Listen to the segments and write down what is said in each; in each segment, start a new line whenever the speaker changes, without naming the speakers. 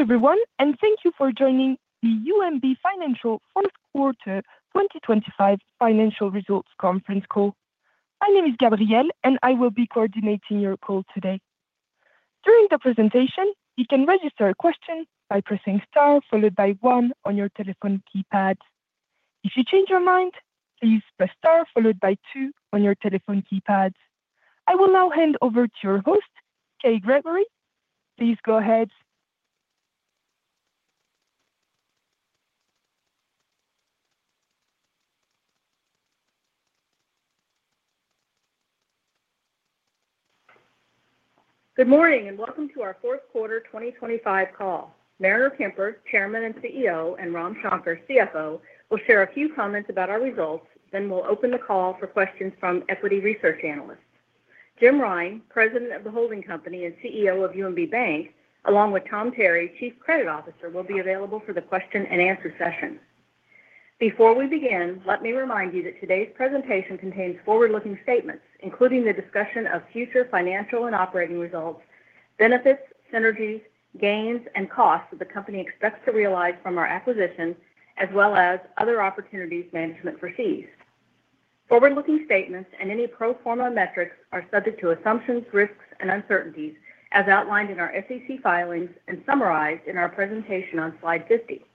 Hello, everyone, and thank you for joining the UMB Financial Fourth Quarter 2025 Financial Results Conference Call. My name is Gabrielle, and I will be coordinating your call today. During the presentation, you can register a question by pressing star, followed by one on your telephone keypad. If you change your mind, please press star, followed by two on your telephone keypad. I will now hand over to your host, Kay Gregory. Please go ahead.
Good morning, and welcome to our Fourth Quarter 2025 call. Mariner Kemper, Chairman and CEO, and Ram Shankar, CFO, will share a few comments about our results, then we'll open the call for questions from equity research analysts. Jim Rine, President of the holding company and CEO of UMB Bank, along with Tom Terry, Chief Credit Officer, will be available for the question and answer session. Before we begin, let me remind you that today's presentation contains forward-looking statements, including the discussion of future financial and operating results, benefits, synergies, gains, and costs that the company expects to realize from our acquisitions, as well as other opportunities management foresees. Forward-looking statements and any pro forma metrics are subject to assumptions, risks, and uncertainties as outlined in our SEC filings and summarized in our presentation on Slide 50.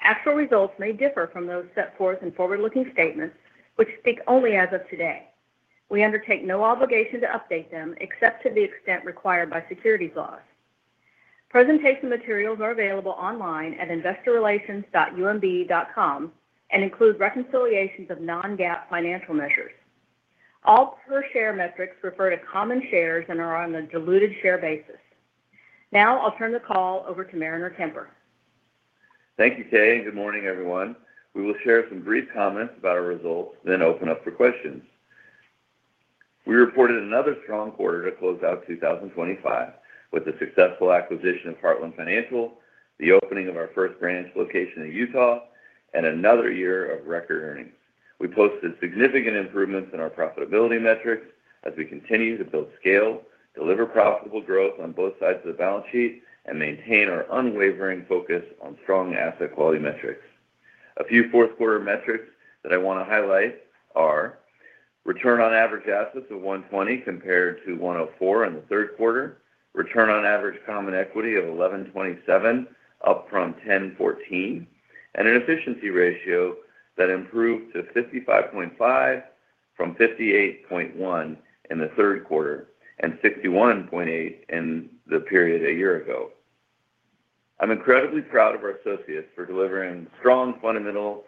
Actual results may differ from those set forth in forward-looking statements, which speak only as of today. We undertake no obligation to update them except to the extent required by securities laws. Presentation materials are available online at investorrelations.umb.com and include reconciliations of non-GAAP financial measures. All per share metrics refer to common shares and are on a diluted share basis. Now I'll turn the call over to Mariner Kemper.
Thank you, Kay, and good morning, everyone. We will share some brief comments about our results, then open up for questions. We reported another strong quarter to close out 2025 with the successful acquisition of Heartland Financial, the opening of our first branch location in Utah, and another year of record earnings. We posted significant improvements in our profitability metrics as we continue to build scale, deliver profitable growth on both sides of the balance sheet, and maintain our unwavering focus on strong asset quality metrics. A few fourth quarter metrics that I want to highlight are return on average assets of 1.20% compared to 1.04% in the third quarter, return on average common equity of 11.27%, up from 10.14%, and an efficiency ratio that improved to 55.5 from 58.1 in the third quarter and 61.8 in the period a year ago. I'm incredibly proud of our associates for delivering strong fundamental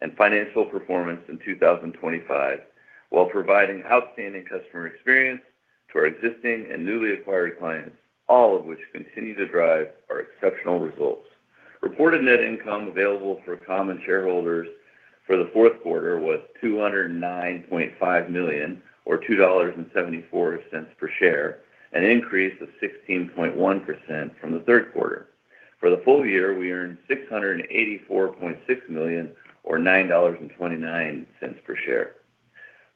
and financial performance in 2025, while providing outstanding customer experience to our existing and newly acquired clients, all of which continue to drive our exceptional results. Reported net income available for common shareholders for the fourth quarter was $209.5 million or $2.74 per share, an increase of 16.1% from the third quarter. For the full year, we earned $684.6 million or $9.29 per share.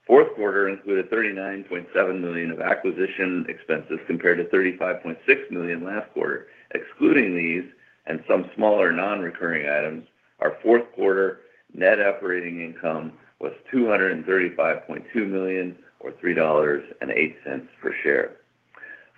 Fourth quarter included $39.7 million of acquisition expenses compared to $35.6 million last quarter. Excluding these and some smaller non-recurring items, our fourth quarter net operating income was $235.2 million or $3.08 per share.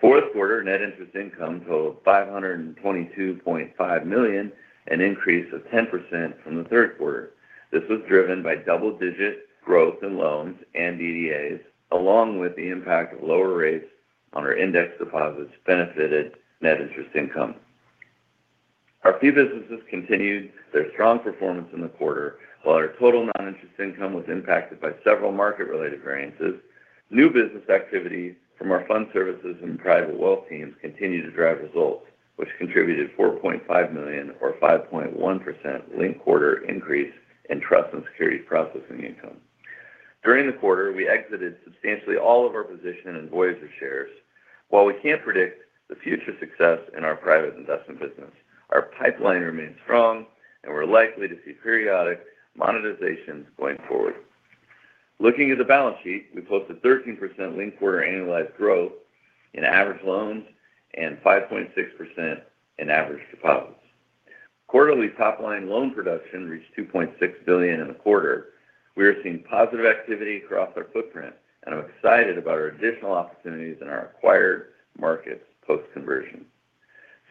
Fourth quarter net interest income totaled $522.5 million, an increase of 10% from the third quarter. This was driven by double-digit growth in loans and DDAs, along with the impact of lower rates on our index deposits benefited net interest income. Our fee businesses continued their strong performance in the quarter, while our total non-interest income was impacted by several market-related variances. New business activities from our fund services and private wealth teams continued to drive results, which contributed $4.5 million or 5.1% linked-quarter increase in trust and securities processing income. During the quarter, we exited substantially all of our position in Voyager shares. While we can't predict the future success in our private investment business, our pipeline remains strong and we're likely to see periodic monetizations going forward. Looking at the balance sheet, we posted 13% linked-quarter annualized growth in average loans and 5.6% in average deposits. Quarterly top-line loan production reached $2.6 billion in the quarter. We are seeing positive activity across our footprint, and I'm excited about our additional opportunities in our acquired markets post-conversion.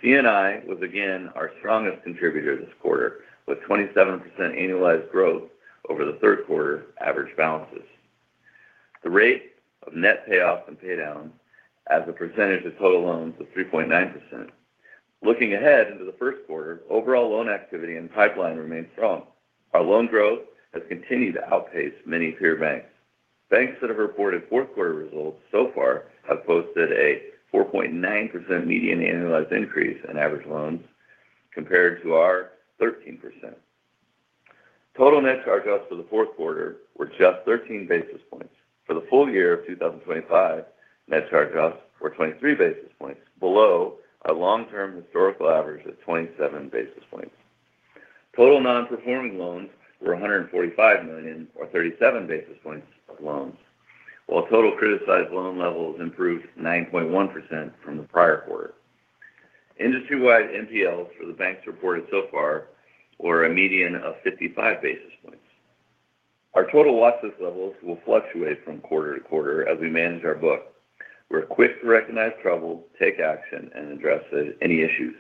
C&I was again our strongest contributor this quarter, with 27% annualized growth over the third-quarter average balances. The rate of net payoffs and pay downs as a percentage of total loans was 3.9%. Looking ahead into the first quarter, overall loan activity and pipeline remain strong. Our loan growth has continued to outpace many peer banks. Banks that have reported fourth quarter results so far have posted a 4.9% median annualized increase in average loans compared to our 13%. Total net charge-offs for the fourth quarter were just 13 basis points. For the full year of 2025, net charge-offs were 23 basis points, below our long-term historical average of 27 basis points. Total non-performing loans were $145 million, or 37 basis points of loans, while total criticized loan levels improved 9.1% from the prior quarter. Industry-wide NPLs for the banks reported so far were a median of 55 basis points. Our total losses levels will fluctuate from quarter to quarter as we manage our book. We're quick to recognize trouble, take action, and address any issues.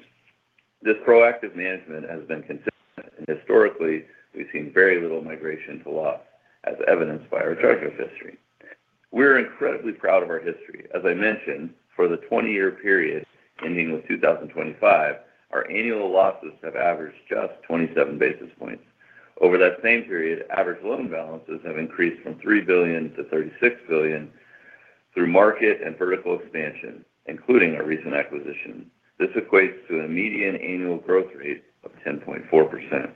This proactive management has been consistent, and historically, we've seen very little migration to loss, as evidenced by our charge-off history. We're incredibly proud of our history. As I mentioned, for the 20-year period ending with 2025, our annual losses have averaged just 27 basis points. Over that same period, average loan balances have increased from $3 billion to $36 billion through market and vertical expansion, including our recent acquisition. This equates to a median annual growth rate of 10.4%.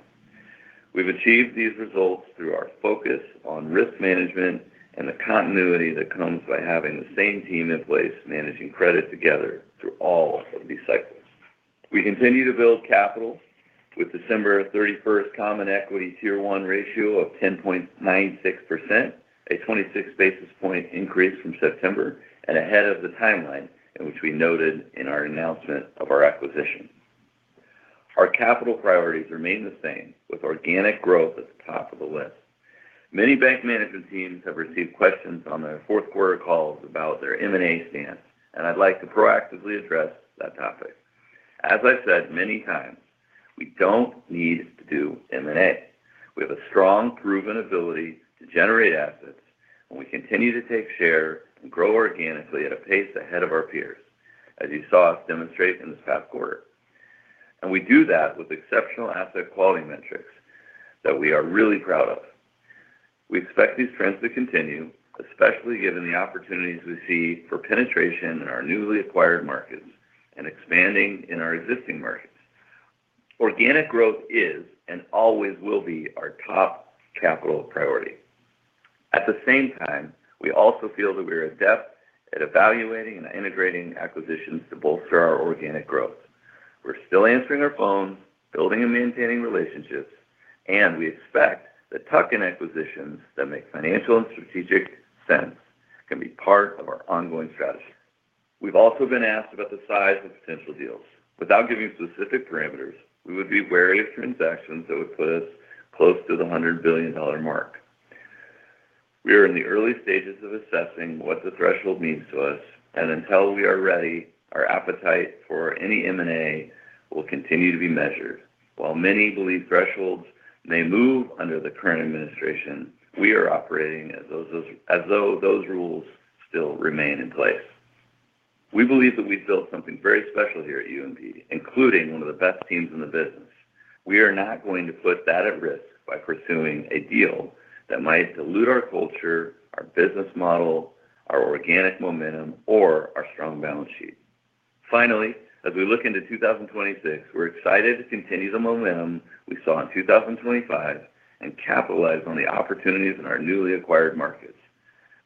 We've achieved these results through our focus on risk management and the continuity that comes by having the same team in place, managing credit together through all of these cycles. We continue to build capital with December 31st common equity Tier One ratio of 10.96%, a 26 basis point increase from September and ahead of the timeline in which we noted in our announcement of our acquisition. Our capital priorities remain the same, with organic growth at the top of the list. Many bank management teams have received questions on their fourth quarter calls about their M&A stance, and I'd like to proactively address that topic. As I've said many times, we don't need to do M&A. We have a strong, proven ability to generate assets, and we continue to take share and grow organically at a pace ahead of our peers, as you saw us demonstrate in this past quarter, and we do that with exceptional asset quality metrics that we are really proud of. We expect these trends to continue, especially given the opportunities we see for penetration in our newly acquired markets and expanding in our existing markets. Organic growth is, and always will be our top capital priority. At the same time, we also feel that we are adept at evaluating and integrating acquisitions to bolster our organic growth. We're still answering our phones, building and maintaining relationships, and we expect that tuck-in acquisitions that make financial and strategic sense can be part of our ongoing strategy. We've also been asked about the size of potential deals. Without giving specific parameters, we would be wary of transactions that would put us close to the $100 billion mark. We are in the early stages of assessing what the threshold means to us, and until we are ready, our appetite for any M&A will continue to be measured. While many believe thresholds may move under the current administration, we are operating as those, as though those rules still remain in place. We believe that we've built something very special here at UMB, including one of the best teams in the business. We are not going to put that at risk by pursuing a deal that might dilute our culture, our business model, our organic momentum, or our strong balance sheet. Finally, as we look into 2026, we're excited to continue the momentum we saw in 2025 and capitalize on the opportunities in our newly acquired markets.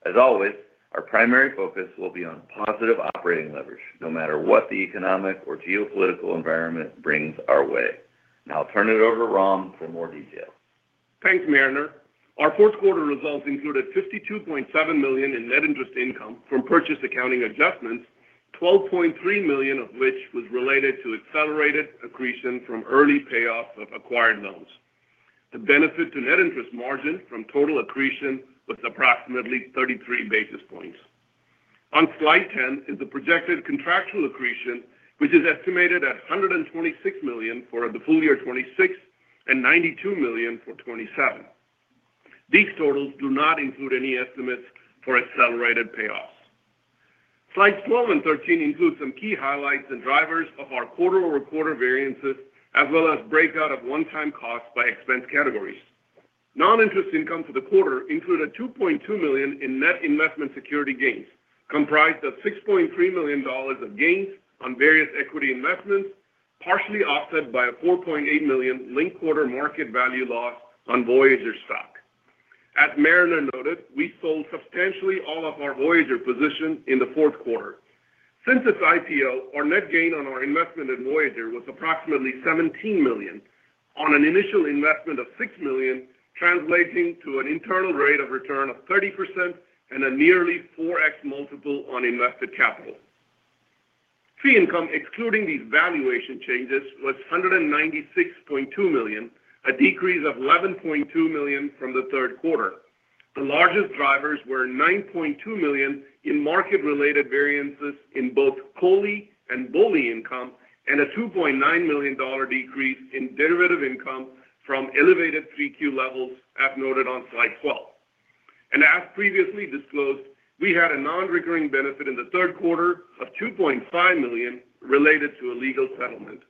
As always, our primary focus will be on positive operating leverage, no matter what the economic or geopolitical environment brings our way. Now I'll turn it over to Ram for more details.
Thanks, Mariner. Our fourth quarter results included $52.7 million in net interest income from purchase accounting adjustments, $12.3 million of which was related to accelerated accretion from early payoff of acquired loans. The benefit to net interest margin from total accretion was approximately 33 basis points. On Slide 10 is the projected contractual accretion, which is estimated at $126 million for the full year 2026 and $92 million for 2027. These totals do not include any estimates for accelerated payoffs. Slides 12 and 13 include some key highlights and drivers of our quarter-over-quarter variances, as well as breakout of one-time costs by expense categories. Non-interest income for the quarter included $2.2 million in net investment security gains, comprised of $6.3 million of gains on various equity investments, partially offset by a $4.8 million linked quarter market value loss on Voyager stock. As Mariner noted, we sold substantially all of our Voyager position in the fourth quarter. Since its IPO, our net gain on our investment in Voyager was approximately $17 million on an initial investment of $6 million, translating to an internal rate of return of 30% and a nearly 4x multiple on invested capital. Fee income, excluding these valuation changes, was $196.2 million, a decrease of $11.2 million from the third quarter. The largest drivers were $9.2 million in market-related variances in both COLI and BOLI income, and a $2.9 million decrease in derivative income from elevated 3Q levels, as noted on Slide 12. As previously disclosed, we had a non-recurring benefit in the third quarter of $2.5 million related to a legal settlement.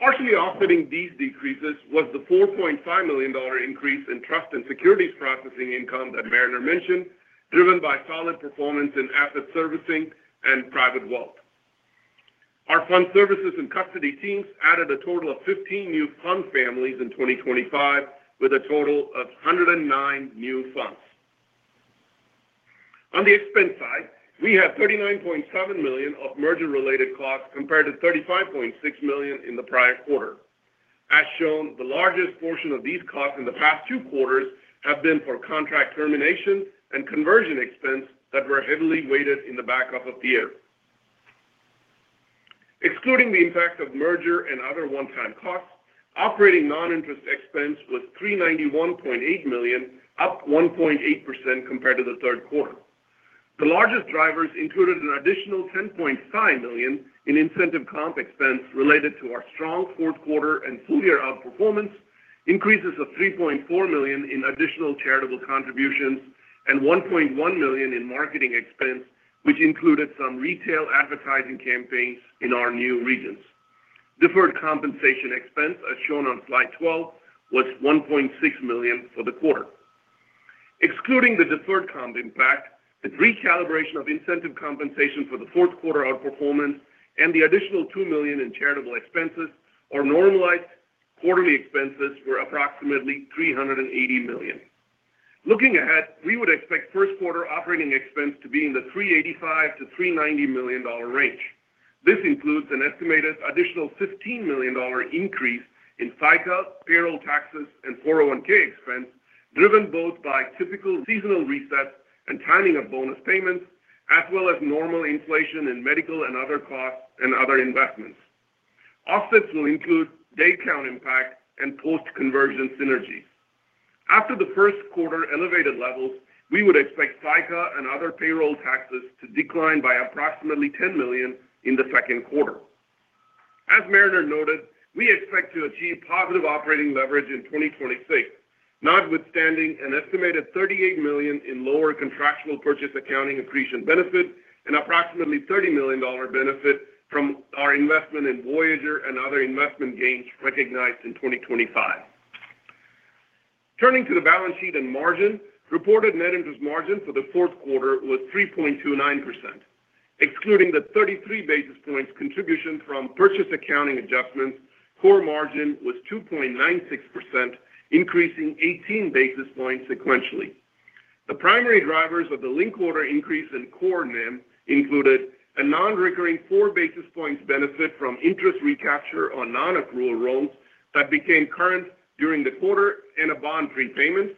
Partially offsetting these decreases was the $4.5 million increase in trust and securities processing income that Mariner mentioned, driven by solid performance in asset servicing and private wealth. Our fund services and custody teams added a total of 15 new fund families in 2025, with a total of 109 new funds.... On the expense side, we had $39.7 million of merger-related costs compared to $35.6 million in the prior quarter. As shown, the largest portion of these costs in the past two quarters have been for contract termination and conversion expense that were heavily weighted in the back half of the year. Excluding the impact of merger and other one-time costs, operating non-interest expense was $391.8 million, up 1.8% compared to the third quarter. The largest drivers included an additional $10.5 million in incentive comp expense related to our strong fourth quarter and full year outperformance, increases of $3.4 million in additional charitable contributions, and $1.1 million in marketing expense, which included some retail advertising campaigns in our new regions. Deferred compensation expense, as shown on Slide 12, was $1.6 million for the quarter. Excluding the deferred comp impact, the recalibration of incentive compensation for the fourth quarter outperformance, and the additional $2 million in charitable expenses, our normalized quarterly expenses were approximately $380 million. Looking ahead, we would expect first quarter operating expense to be in the $385 million-$390 million range. This includes an estimated additional $15 million increase in FICA, payroll taxes, and 401(k) expense, driven both by typical seasonal resets and timing of bonus payments, as well as normal inflation in medical and other costs and other investments. Offsets will include day count impact and post-conversion synergies. After the first quarter elevated levels, we would expect FICA and other payroll taxes to decline by approximately $10 million in the second quarter. As Mariner noted, we expect to achieve positive operating leverage in 2026, notwithstanding an estimated $38 million in lower contractual purchase accounting accretion benefit and approximately $30 million benefit from our investment in Voyager and other investment gains recognized in 2025. Turning to the balance sheet and margin, reported net interest margin for the fourth quarter was 3.29%. Excluding the 33 basis points contribution from purchase accounting adjustments, core margin was 2.96%, increasing 18 basis points sequentially. The primary drivers of the linked quarter increase in core NIM included a non-recurring 4 basis points benefit from interest recapture on non-accrual loans that became current during the quarter in a bond prepayment.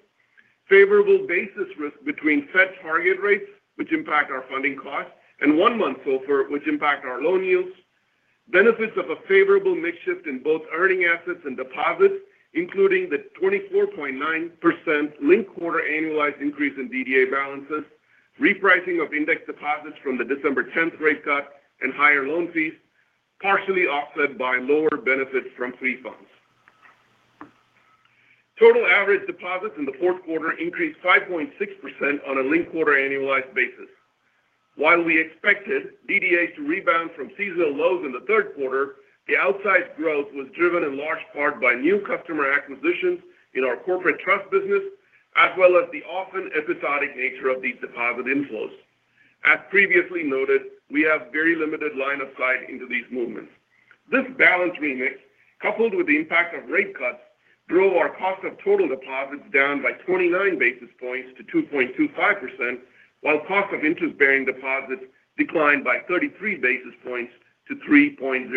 Favorable basis risk between Fed target rates, which impact our funding costs, and one-month SOFR, which impact our loan yields. Benefits of a favorable mix shift in both earning assets and deposits, including the 24.9% linked quarter annualized increase in DDA balances, repricing of index deposits from the December 10 rate cut and higher loan fees, partially offset by lower benefits from fee funds. Total average deposits in the fourth quarter increased 5.6% on a linked quarter annualized basis. While we expected DDA to rebound from seasonal lows in the third quarter, the outsized growth was driven in large part by new customer acquisitions in our corporate trust business, as well as the often episodic nature of these deposit inflows. As previously noted, we have very limited line of sight into these movements. This balance remix, coupled with the impact of rate cuts, drove our cost of total deposits down by 29 basis points to 2.25%, while cost of interest-bearing deposits declined by 33 basis points to 3.03%.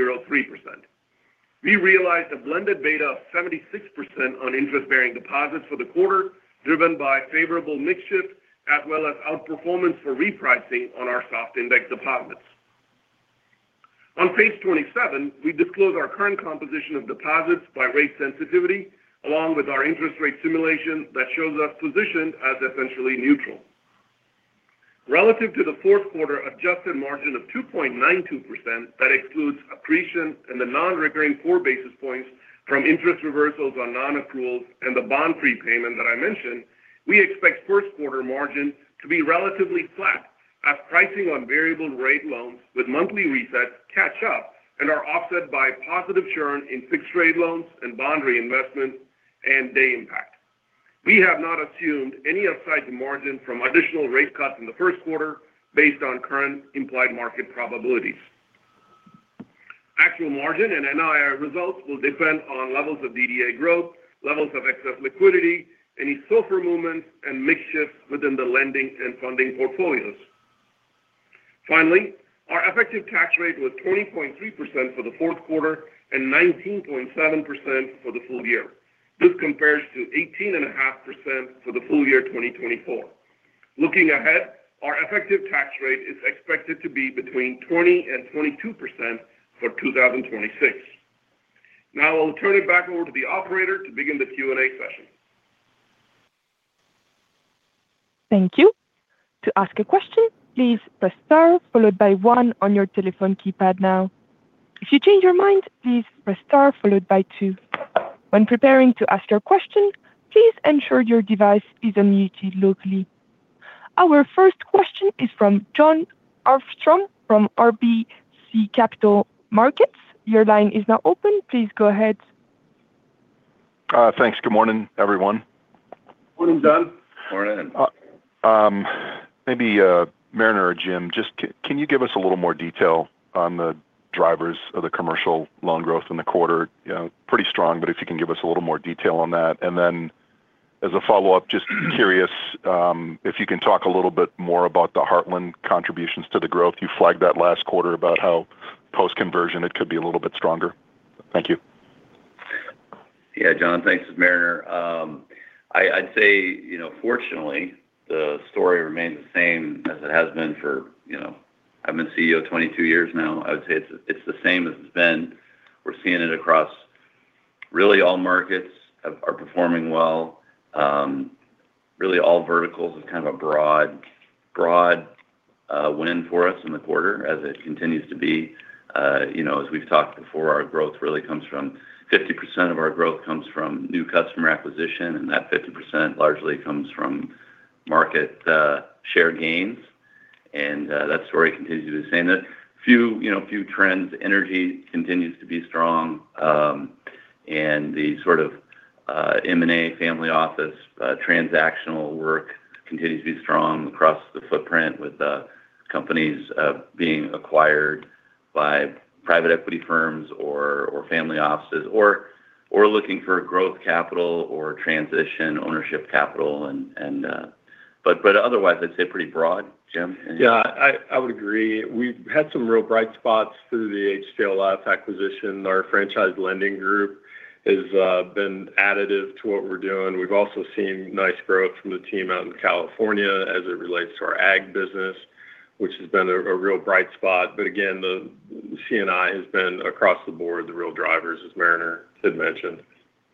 We realized a blended beta of 76% on interest-bearing deposits for the quarter, driven by favorable mix shift as well as outperformance for repricing on our SOFR index deposits. On Page 27, we disclose our current composition of deposits by rate sensitivity, along with our interest rate simulation that shows us positioned as essentially neutral. Relative to the fourth quarter adjusted margin of 2.92%, that excludes accretion and the non-recurring 4 basis points from interest reversals on non-accruals and the bond prepayment that I mentioned, we expect first quarter margin to be relatively flat as pricing on variable rate loans with monthly resets catch up and are offset by positive churn in fixed rate loans and bond reinvestment and day impact. We have not assumed any upside to margin from additional rate cuts in the first quarter based on current implied market probabilities. Actual margin and NIR results will depend on levels of DDA growth, levels of excess liquidity, any SOFR movements, and mix shifts within the lending and funding portfolios. Finally, our effective tax rate was 20.3% for the fourth quarter and 19.7% for the full year. This compares to 18.5% for the full year 2024. Looking ahead, our effective tax rate is expected to be between 20%-22% for 2026. Now I'll turn it back over to the operator to begin the Q&A session.
Thank you. To ask a question, please press star followed by one on your telephone keypad now. If you change your mind, please press star followed by two. When preparing to ask your question, please ensure your device is unmuted locally. Our first question is from Jon Arfstrom from RBC Capital Markets. Your line is now open. Please go ahead.
Thanks. Good morning, everyone.
Morning, John.
Morning.
Maybe, Mariner or Jim, just can you give us a little more detail on the drivers of the commercial loan growth in the quarter? You know, pretty strong, but if you can give us a little more detail on that. As a follow-up, just curious, if you can talk a little bit more about the Heartland contributions to the growth. You flagged that last quarter about how post conversion, it could be a little bit stronger. Thank you.
Yeah, John. Thanks, it's Mariner. I'd say, you know, fortunately, the story remains the same as it has been for, you know, I've been CEO 22 years now. I would say it's, it's the same as it's been. We're seeing it across really all markets are performing well. Really all verticals is kind of a broad win for us in the quarter as it continues to be. You know, as we've talked before, our growth really comes from 50% of our growth comes from new customer acquisition, and that 50% largely comes from market share gains. And that story continues to the same. A few, you know, trends. Energy continues to be strong, and the sort of M&A family office transactional work continues to be strong across the footprint with the companies being acquired by private equity firms or family offices or looking for growth capital or transition ownership capital and... But otherwise, I'd say pretty broad. Jim?
Yeah, I would agree. We've had some real bright spots through the HTLF acquisition. Our franchise lending group is been additive to what we're doing. We've also seen nice growth from the team out in California as it relates to our ag business, which has been a real bright spot. But again, the CNI has been across the board, the real drivers, as Mariner had mentioned.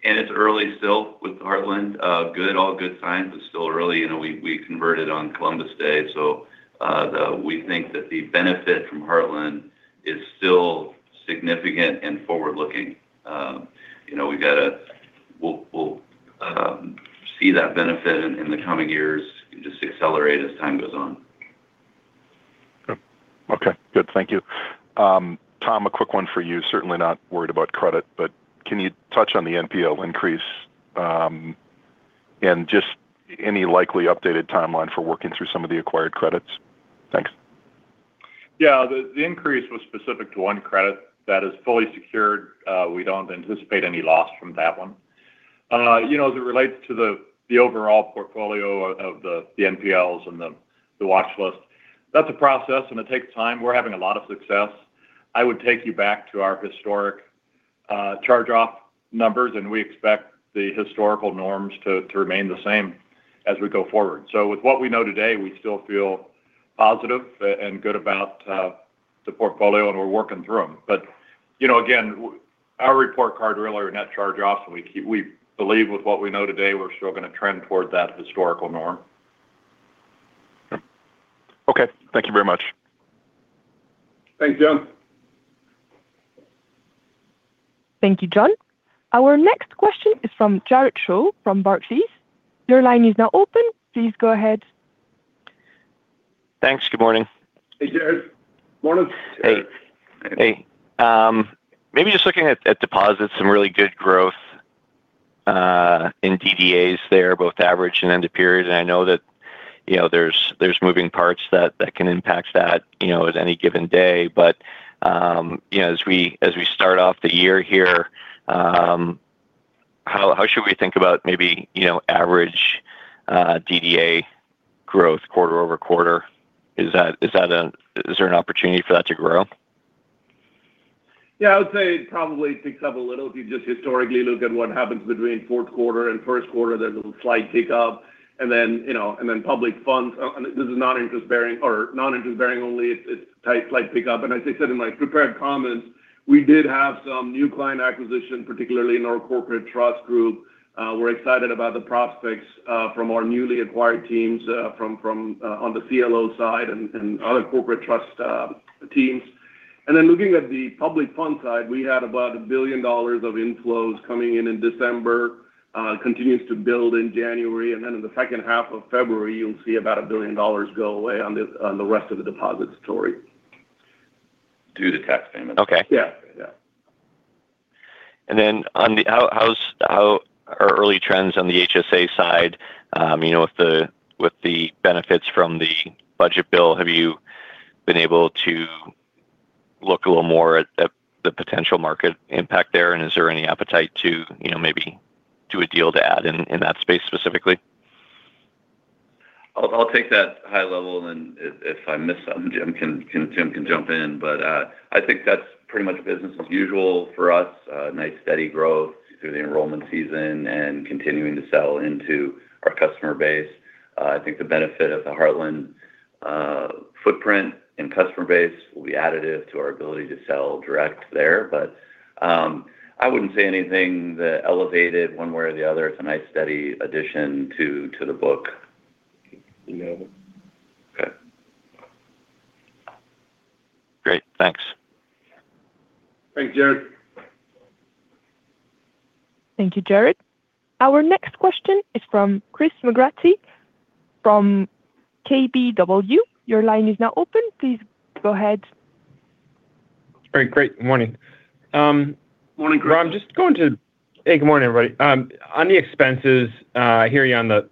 It's early still with Heartland. Good, all good signs, but still early. You know, we converted on Columbus Day, so we think that the benefit from Heartland is still significant and forward-looking. You know, we'll see that benefit in the coming years and just accelerate as time goes on.
Okay, good. Thank you. Tom, a quick one for you. Certainly not worried about credit, but can you touch on the NPL increase, and just any likely updated timeline for working through some of the acquired credits? Thanks.
Yeah, the increase was specific to one credit that is fully secured. We don't anticipate any loss from that one. You know, as it relates to the overall portfolio of the NPLs and the watch list, that's a process, and it takes time. We're having a lot of success. I would take you back to our historic charge-off numbers, and we expect the historical norms to remain the same as we go forward. So with what we know today, we still feel positive and good about the portfolio, and we're working through them. But, you know, again, our report card really are net charge-offs, and we believe with what we know today, we're still going to trend toward that historical norm.
Okay. Thank you very much.
Thanks, John.
Thank you, John. Our next question is from Jared Shaw, from Barclays. Your line is now open. Please go ahead.
Thanks. Good morning.
Hey, Jared. Morning.
Hey, hey. Maybe just looking at deposits, some really good growth in DDAs there, both average and end of period. And I know that, you know, there's moving parts that can impact that, you know, at any given day. But, you know, as we start off the year here, how should we think about maybe, you know, average DDA growth quarter over quarter? Is there an opportunity for that to grow?
Yeah, I would say it probably picks up a little. If you just historically look at what happens between fourth quarter and first quarter, there's a slight pickup, and then, you know, and then public funds. And this is non-interest bearing or non-interest bearing only. It's tight, slight pickup. And as I said in my prepared comments, we did have some new client acquisition, particularly in our corporate trust group. We're excited about the prospects from our newly acquired teams from on the CLO side and other corporate trust teams. And then looking at the public fund side, we had about $1 billion of inflows coming in in December, continues to build in January, and then in the second half of February, you'll see about $1 billion go away on the rest of the deposit story.
Due to the tax payments.
Okay.
Yeah. Yeah.
How are early trends on the HSA side? You know, with the benefits from the budget bill, have you been able to look a little more at the potential market impact there? And is there any appetite to, you know, maybe do a deal to add in that space specifically?
I'll take that high level, and then if I miss something, Jim can jump in. But, I think that's pretty much business as usual for us. Nice steady growth through the enrollment season and continuing to sell into our customer base. I think the benefit of the Heartland footprint and customer base will be additive to our ability to sell direct there. But, I wouldn't say anything that elevated one way or the other. It's a nice, steady addition to the book.
Yeah.
Okay.
Great. Thanks.
Thanks, Jared.
Thank you, Jared. Our next question is from Chris McGratty, from KBW. Your line is now open. Please go ahead.
All right. Great, good morning.
Good morning, Chris.
Hey, good morning, everybody. On the expenses, I hear you on the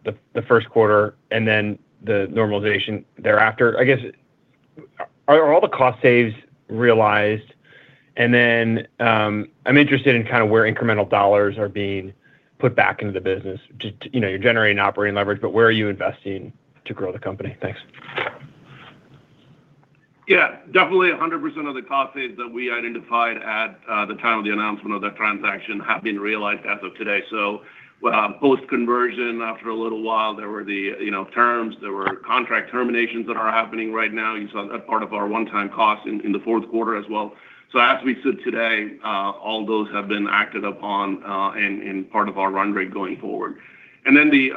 first quarter and then the normalization thereafter. Are all the cost saves realized? And then, I'm interested in kind of where incremental dollars are being put back into the business to you know, you're generating operating leverage, but where are you investing to grow the company? Thanks.
Yeah, definitely 100% of the cost saves that we identified at, the time of the announcement of that transaction have been realized as of today. So, post-conversion, after a little while, there were the, you know, terms, there were contract terminations that are happening right now. You saw that part of our one-time costs in, the fourth quarter as well. So as we sit today, all those have been acted upon, in, part of our run rate going forward. And then the,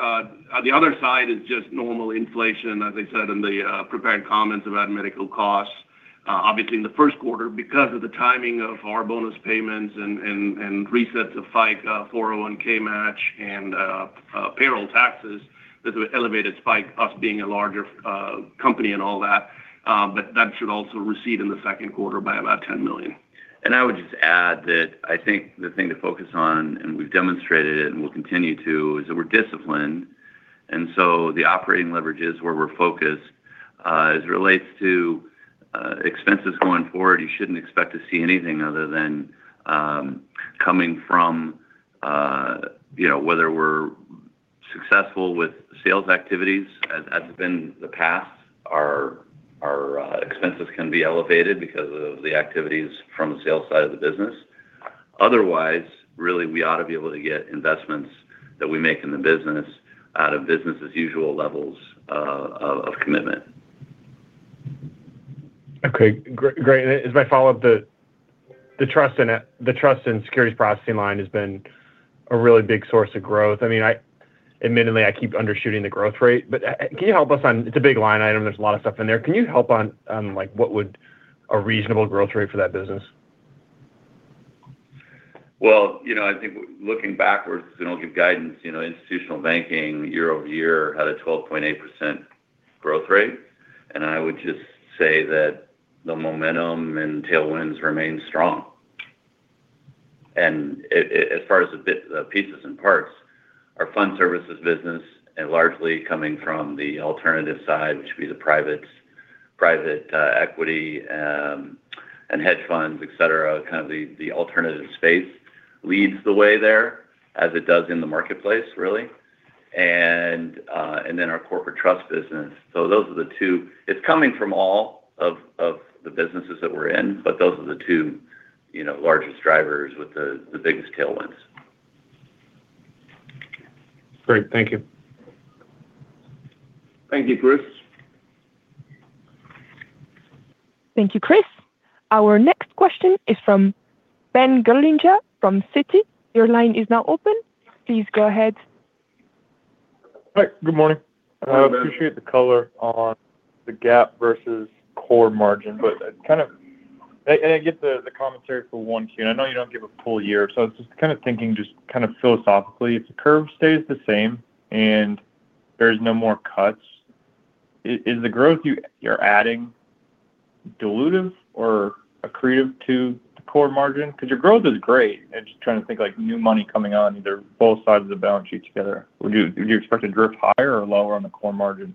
the other side is just normal inflation, as I said in the, prepared comments about medical costs. Obviously, in the first quarter, because of the timing of our bonus payments and resets of FICA, 401 match, and payroll taxes, this was elevated despite us being a larger company and all that, but that should also recede in the second quarter by about $10 million.
I would just add that I think the thing to focus on, and we've demonstrated it and we'll continue to, is that we're disciplined, and so the operating leverage is where we're focused. As it relates to expenses going forward, you shouldn't expect to see anything other than coming from, you know, whether we're successful with sales activities. As has been the past, our expenses can be elevated because of the activities from the sales side of the business. Otherwise, really, we ought to be able to get investments that we make in the business out of business as usual levels of commitment.
Okay. Great, great. As I follow up, the trust in it, the trust in securities processing line has been a really big source of growth. I mean, admittedly, I keep undershooting the growth rate, but can you help us on... It's a big line item, there's a lot of stuff in there. Can you help on, like, what would a reasonable growth rate for that business?
Well, you know, I think looking backwards, we don't give guidance. You know, institutional banking year-over-year had a 12.8% growth rate, and I would just say that the momentum and tailwinds remain strong. And as far as the bits, pieces and parts, our fund services business are largely coming from the alternative side, which would be the privates, private equity, and hedge funds, et cetera. Kind of the alternative space leads the way there, as it does in the marketplace, really. And then our corporate trust business. So those are the two. It's coming from all of the businesses that we're in, but those are the two, you know, largest drivers with the biggest tailwinds.
Great. Thank you.
Thank you, Chris.
Thank you, Chris. Our next question is from Ben Gerlinger from Citi. Your line is now open. Please go ahead.
Hi, good morning.
Hello, Ben.
I appreciate the color on the gap versus core margin, but I kind of... And I get the commentary for one Q, and I know you don't give a full year, so I was just kind of thinking, just kind of philosophically, if the curve stays the same and there's no more cuts, is the growth you're adding dilutive or accretive to the core margin? Because your growth is great. I'm just trying to think, like, new money coming on, either both sides of the balance sheet together. Would you expect to drift higher or lower on the core margin?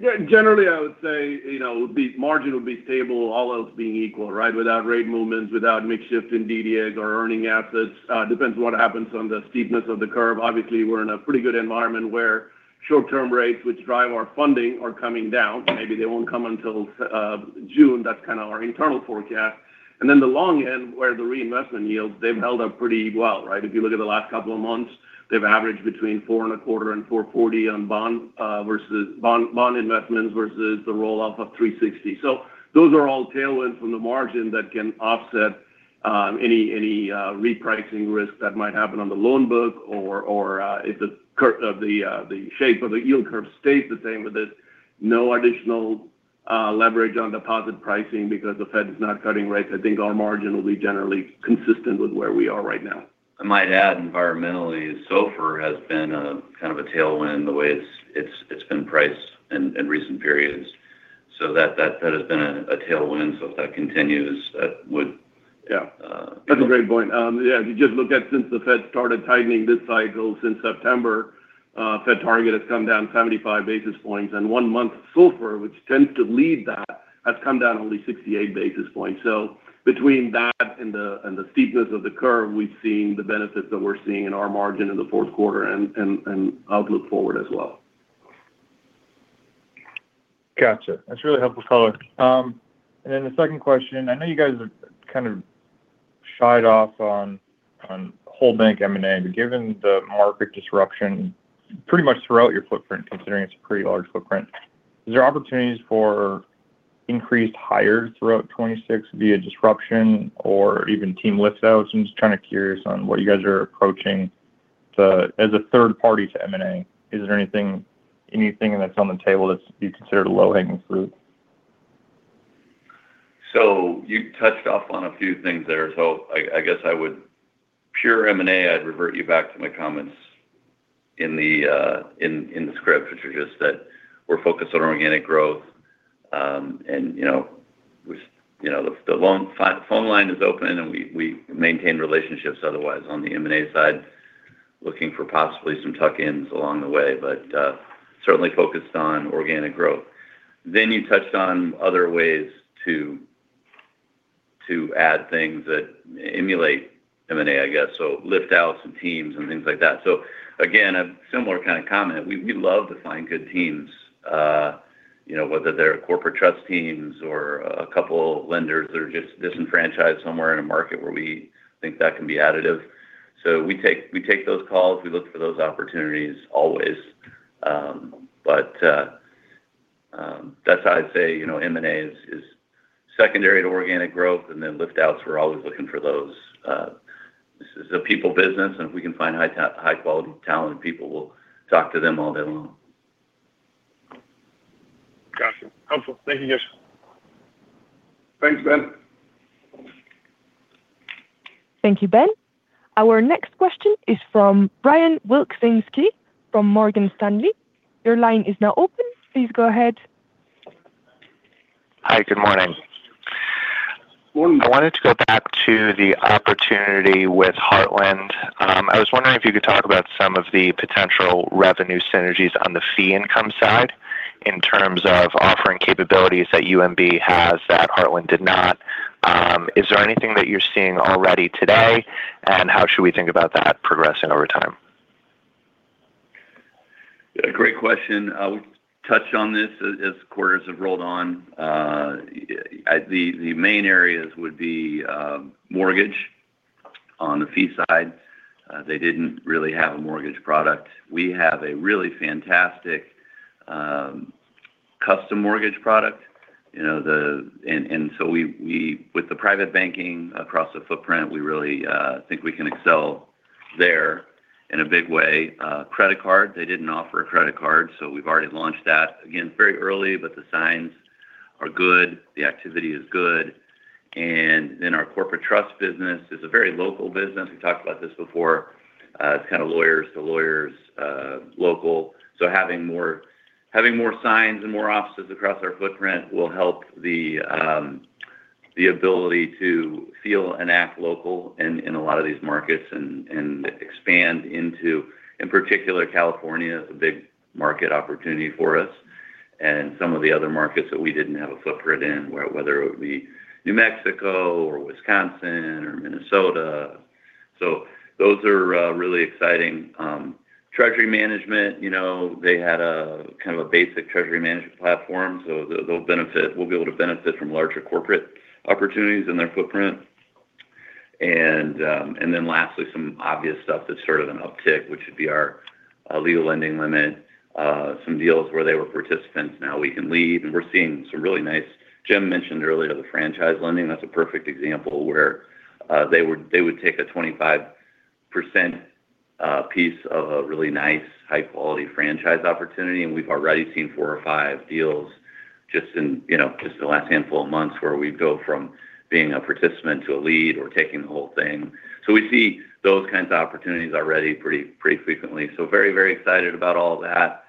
Yeah, generally, I would say, you know, the margin would be stable, all else being equal, right? Without rate movements, without mix shift in DDA or earning assets. It depends on what happens on the steepness of the curve. Obviously, we're in a pretty good environment where short-term rates, which drive our funding, are coming down. Maybe they won't come until June. That's kind of our internal forecast. And then the long end, where the reinvestment yields, they've held up pretty well, right? If you look at the last couple of months, they've averaged between 4.25 and 4.40 on bond investments versus the roll-off of 3.60. So those are all tailwinds from the margin that can offset any repricing risk that might happen on the loan book, or if the shape of the yield curve stays the same, but there's no additional leverage on deposit pricing because the Fed is not cutting rates. I think our margin will be generally consistent with where we are right now.
I might add, environmentally, sulfur has been a kind of a tailwind, the way it's been priced in recent periods. So that has been a tailwind. So if that continues, that would-
Yeah.
Uh-
That's a great point. Yeah, if you just look at since the Fed started tightening this cycle, since September, Fed target has come down 75 basis points, and one-month SOFR, which tends to lead that, has come down only 68 basis points. So between that and the steepness of the curve, we've seen the benefits that we're seeing in our margin in the fourth quarter and outlook forward as well.
Gotcha. That's really helpful color. And then the second question: I know you guys are kind of shied off on, on whole bank M&A, but given the market disruption pretty much throughout your footprint, considering it's a pretty large footprint, is there opportunities for increased hires throughout 2026 via disruption or even team lift outs? I'm just kind of curious on what you guys are approaching to... As a third party to M&A, is there anything, anything that's on the table that's being considered a low-hanging fruit?
So you touched up on a few things there. So I guess I would. Pure M&A, I'd revert you back to my comments in the script, which are just that we're focused on organic growth. And, you know, we, you know, the loan phone line is open, and we maintain relationships otherwise on the M&A side, looking for possibly some tuck-ins along the way, but certainly focused on organic growth. Then you touched on other ways to add things that emulate M&A, I guess. So again, a similar kind of comment. We love to find good teams, you know, whether they're corporate trust teams or a couple lenders that are just disenfranchised somewhere in a market where we think that can be additive. We take those calls, we look for those opportunities always. But that's how I'd say, you know, M&A is secondary to organic growth, and then lift outs, we're always looking for those. This is a people business, and if we can find high-quality, talented people, we'll talk to them all day long.
Got you. Helpful. Thank you, guys.
Thanks, Ben.
Thank you, Ben. Our next question is from Brian Wilczynski from Morgan Stanley. Your line is now open. Please go ahead.
Hi, good morning.
Good morning.
I wanted to go back to the opportunity with Heartland. I was wondering if you could talk about some of the potential revenue synergies on the fee income side in terms of offering capabilities that UMB has that Heartland did not. Is there anything that you're seeing already today, and how should we think about that progressing over time?
Great question. I would touch on this as quarters have rolled on. The main areas would be mortgage. On the fee side, they didn't really have a mortgage product. We have a really fantastic custom mortgage product, you know, and so we with the private banking across the footprint, we really think we can excel there in a big way. Credit card, they didn't offer a credit card, so we've already launched that. Again, very early, but the signs are good, the activity is good. And then our corporate trust business is a very local business. We talked about this before. It's kind of lawyers to lawyers, local. So having more signs and more offices across our footprint will help the ability to feel and act local in a lot of these markets and expand into, in particular, California is a big market opportunity for us and some of the other markets that we didn't have a footprint in, whether it would be New Mexico or Wisconsin or Minnesota. So those are really exciting. Treasury management, you know, they had a kind of a basic treasury management platform, so they'll benefit, we'll be able to benefit from larger corporate opportunities in their footprint. And then lastly, some obvious stuff that's sort of an uptick, which would be our legal lending limit. Some deals where they were participants, now we can lead, and we're seeing some really nice, Jim mentioned earlier, the franchise lending, that's a perfect example where, they would take a 25% piece of a really nice, high-quality franchise opportunity, and we've already seen four or five deals just in, you know, just the last handful of months, where we go from being a participant to a lead or taking the whole thing. So we see those kinds of opportunities already pretty, pretty frequently. So very, very excited about all that.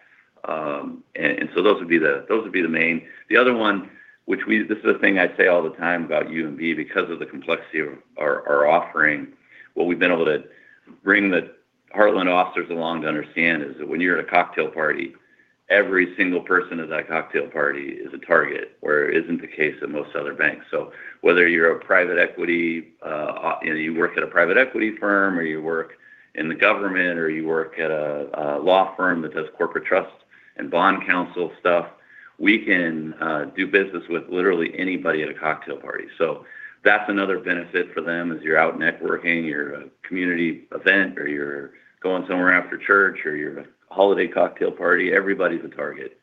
And, and so those would be the, those would be the main. The other one, this is a thing I'd say all the time about UMB, because of the complexity of our offering, what we've been able to bring the Heartland officers along to understand is that when you're at a cocktail party, every single person at that cocktail party is a target, where it isn't the case at most other banks. So whether you're a private equity, you know, you work at a private equity firm, or you work in the government, or you work at a law firm that does corporate trust and bond counsel stuff, we can do business with literally anybody at a cocktail party. So that's another benefit for them, as you're out networking, you're a community event, or you're going somewhere after church, or you're a holiday cocktail party, everybody's a target.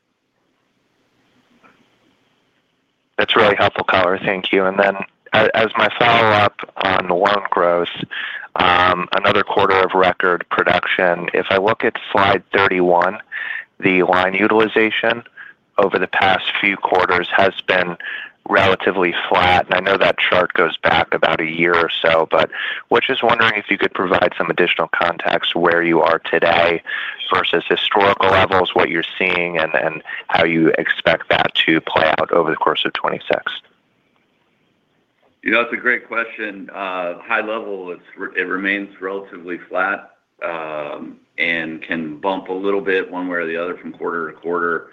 That's really helpful color. Thank you. And then as my follow-up on loan growth, another quarter of record production. If I look at Slide 31, the line utilization over the past few quarters has been relatively flat. I know that chart goes back about a year or so, but was just wondering if you could provide some additional context where you are today versus historical levels, what you're seeing, and then how you expect that to play out over the course of 2026?
You know, that's a great question. High level, it remains relatively flat, and can bump a little bit one way or the other from quarter to quarter.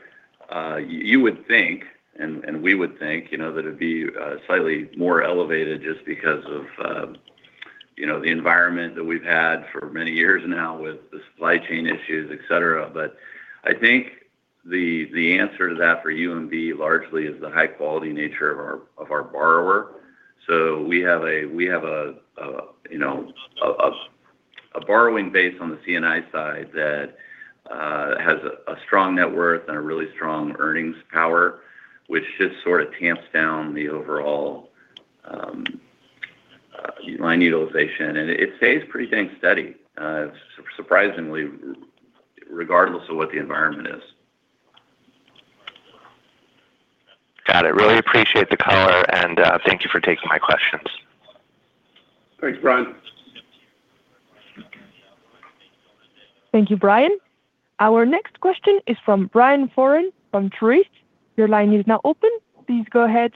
You would think, and we would think, you know, that it'd be slightly more elevated just because of, you know, the environment that we've had for many years now with the supply chain issues, et cetera. But I think the answer to that for UMB largely is the high-quality nature of our borrower. So we have a borrowing base on the CNI side that has a strong net worth and a really strong earnings power, which just sort of tamps down the overall line utilization, and it stays pretty dang steady, surprisingly, regardless of what the environment is.
Got it. Really appreciate the color, and thank you for taking my questions.
Thanks, Brian.
Thank you, Brian. Our next question is from Brian Foran from Zurich. Your line is now open. Please go ahead....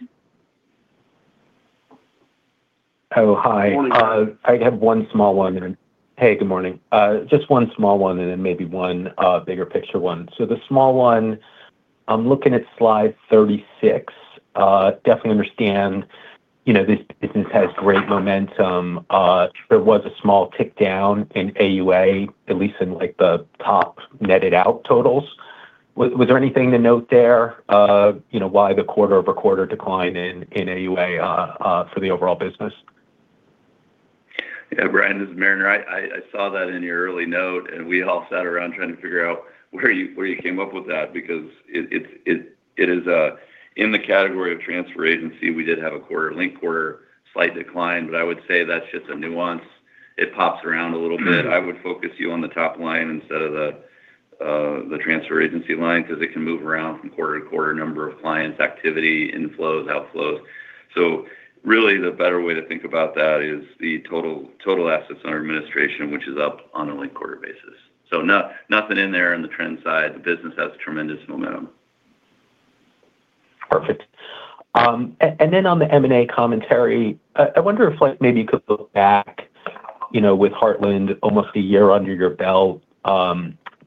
Oh, hi.
Morning.
I have one small one. Hey, good morning. Just one small one and then maybe one bigger picture one. So the small one, I'm looking at Slide 36. Definitely understand, you know, this business has great momentum. There was a small tick down in AUA, at least in, like, the top netted out totals. Was there anything to note there? You know, why the quarter-over-quarter decline in AUA for the overall business?
Yeah, Brian, this is Mariner. I saw that in your early note, and we all sat around trying to figure out where you came up with that, because it is in the category of transfer agency. We did have a quarterly slight decline, but I would say that's just a nuance. It pops around a little bit.
Mm-hmm.
I would focus you on the top line instead of the, the transfer agency line, because it can move around from quarter to quarter, number of clients, activity, inflows, outflows. So really, the better way to think about that is the total, total assets under administration, which is up on a linked quarter basis. So nothing in there on the trend side. The business has tremendous momentum.
Perfect. And then on the M&A commentary, I wonder if like maybe you could look back, you know, with Heartland almost a year under your belt,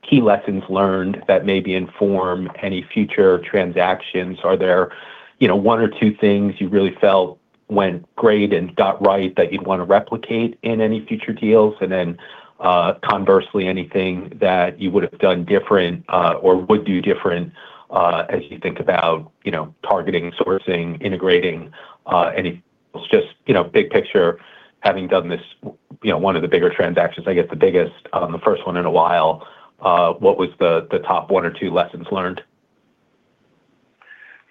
key lessons learned that maybe inform any future transactions. Are there, you know, one or two things you really felt went great and got right that you'd want to replicate in any future deals? And then, conversely, anything that you would have done different, or would do different, as you think about, you know, targeting, sourcing, integrating, any... Just, you know, big picture, having done this, you know, one of the bigger transactions, I guess the biggest, the first one in a while, what was the top one or two lessons learned?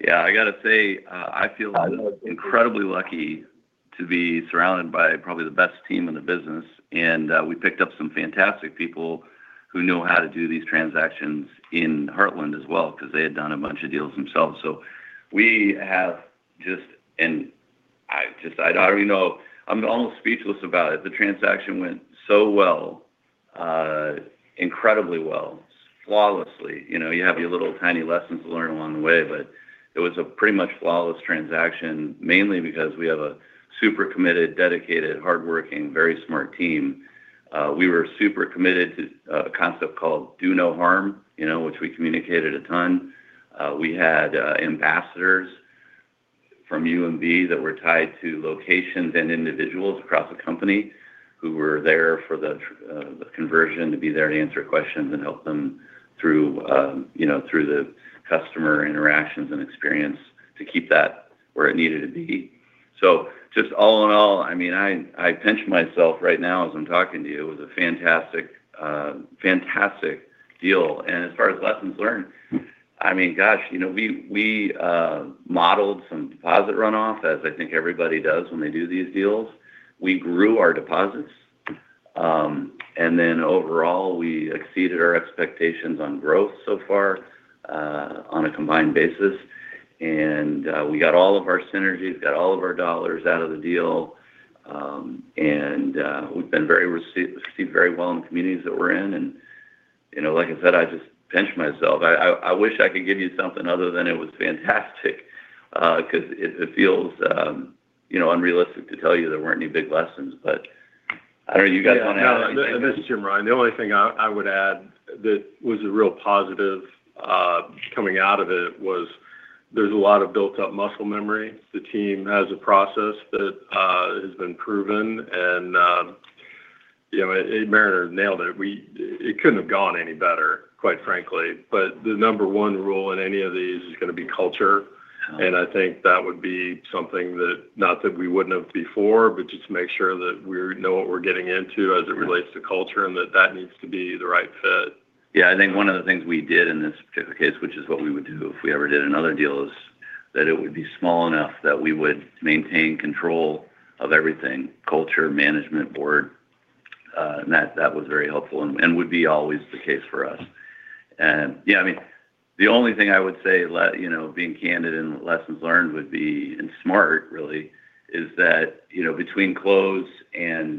Yeah, I got to say, I feel incredibly lucky to be surrounded by probably the best team in the business, and, we picked up some fantastic people who know how to do these transactions in Heartland as well, because they had done a bunch of deals themselves. So we have just-- and I just, I already know, I'm almost speechless about it. The transaction went so well, incredibly well, flawlessly. You know, you have your little tiny lessons learned along the way, but it was a pretty much flawless transaction, mainly because we have a super committed, dedicated, hardworking, very smart team. We were super committed to a concept called Do No Harm, you know, which we communicated a ton. We had ambassadors from UMB that were tied to locations and individuals across the company who were there for the conversion to be there to answer questions and help them through, you know, through the customer interactions and experience to keep that where it needed to be. So just all in all, I mean, I pinch myself right now as I'm talking to you. It was a fantastic fantastic deal. And as far as lessons learned, I mean, gosh, you know, we modeled some deposit runoff, as I think everybody does when they do these deals. We grew our deposits and then overall, we exceeded our expectations on growth so far on a combined basis. We got all of our synergies, got all of our dollars out of the deal, and we've been very received, received very well in communities that we're in. And, you know, like I said, I just pinch myself. I, I, I wish I could give you something other than it was fantastic, because it, it feels, you know, unrealistic to tell you there weren't any big lessons, but I know you guys want to add.
This is Jim Rine. The only thing I would add that was a real positive coming out of it was there's a lot of built-up muscle memory. The team has a process that has been proven, and you know, Mariner nailed it. It couldn't have gone any better, quite frankly. But the number one rule in any of these is going to be culture.
Um.
I think that would be something that, not that we wouldn't have before, but just to make sure that we know what we're getting into as it relates to culture and that that needs to be the right fit.
Yeah, I think one of the things we did in this particular case, which is what we would do if we ever did another deal, is that it would be small enough that we would maintain control of everything: culture, management, board. That was very helpful and would be always the case for us. And, yeah, I mean, the only thing I would say, let you know, being candid and the lessons learned would be, and smart really, is that, you know, between close and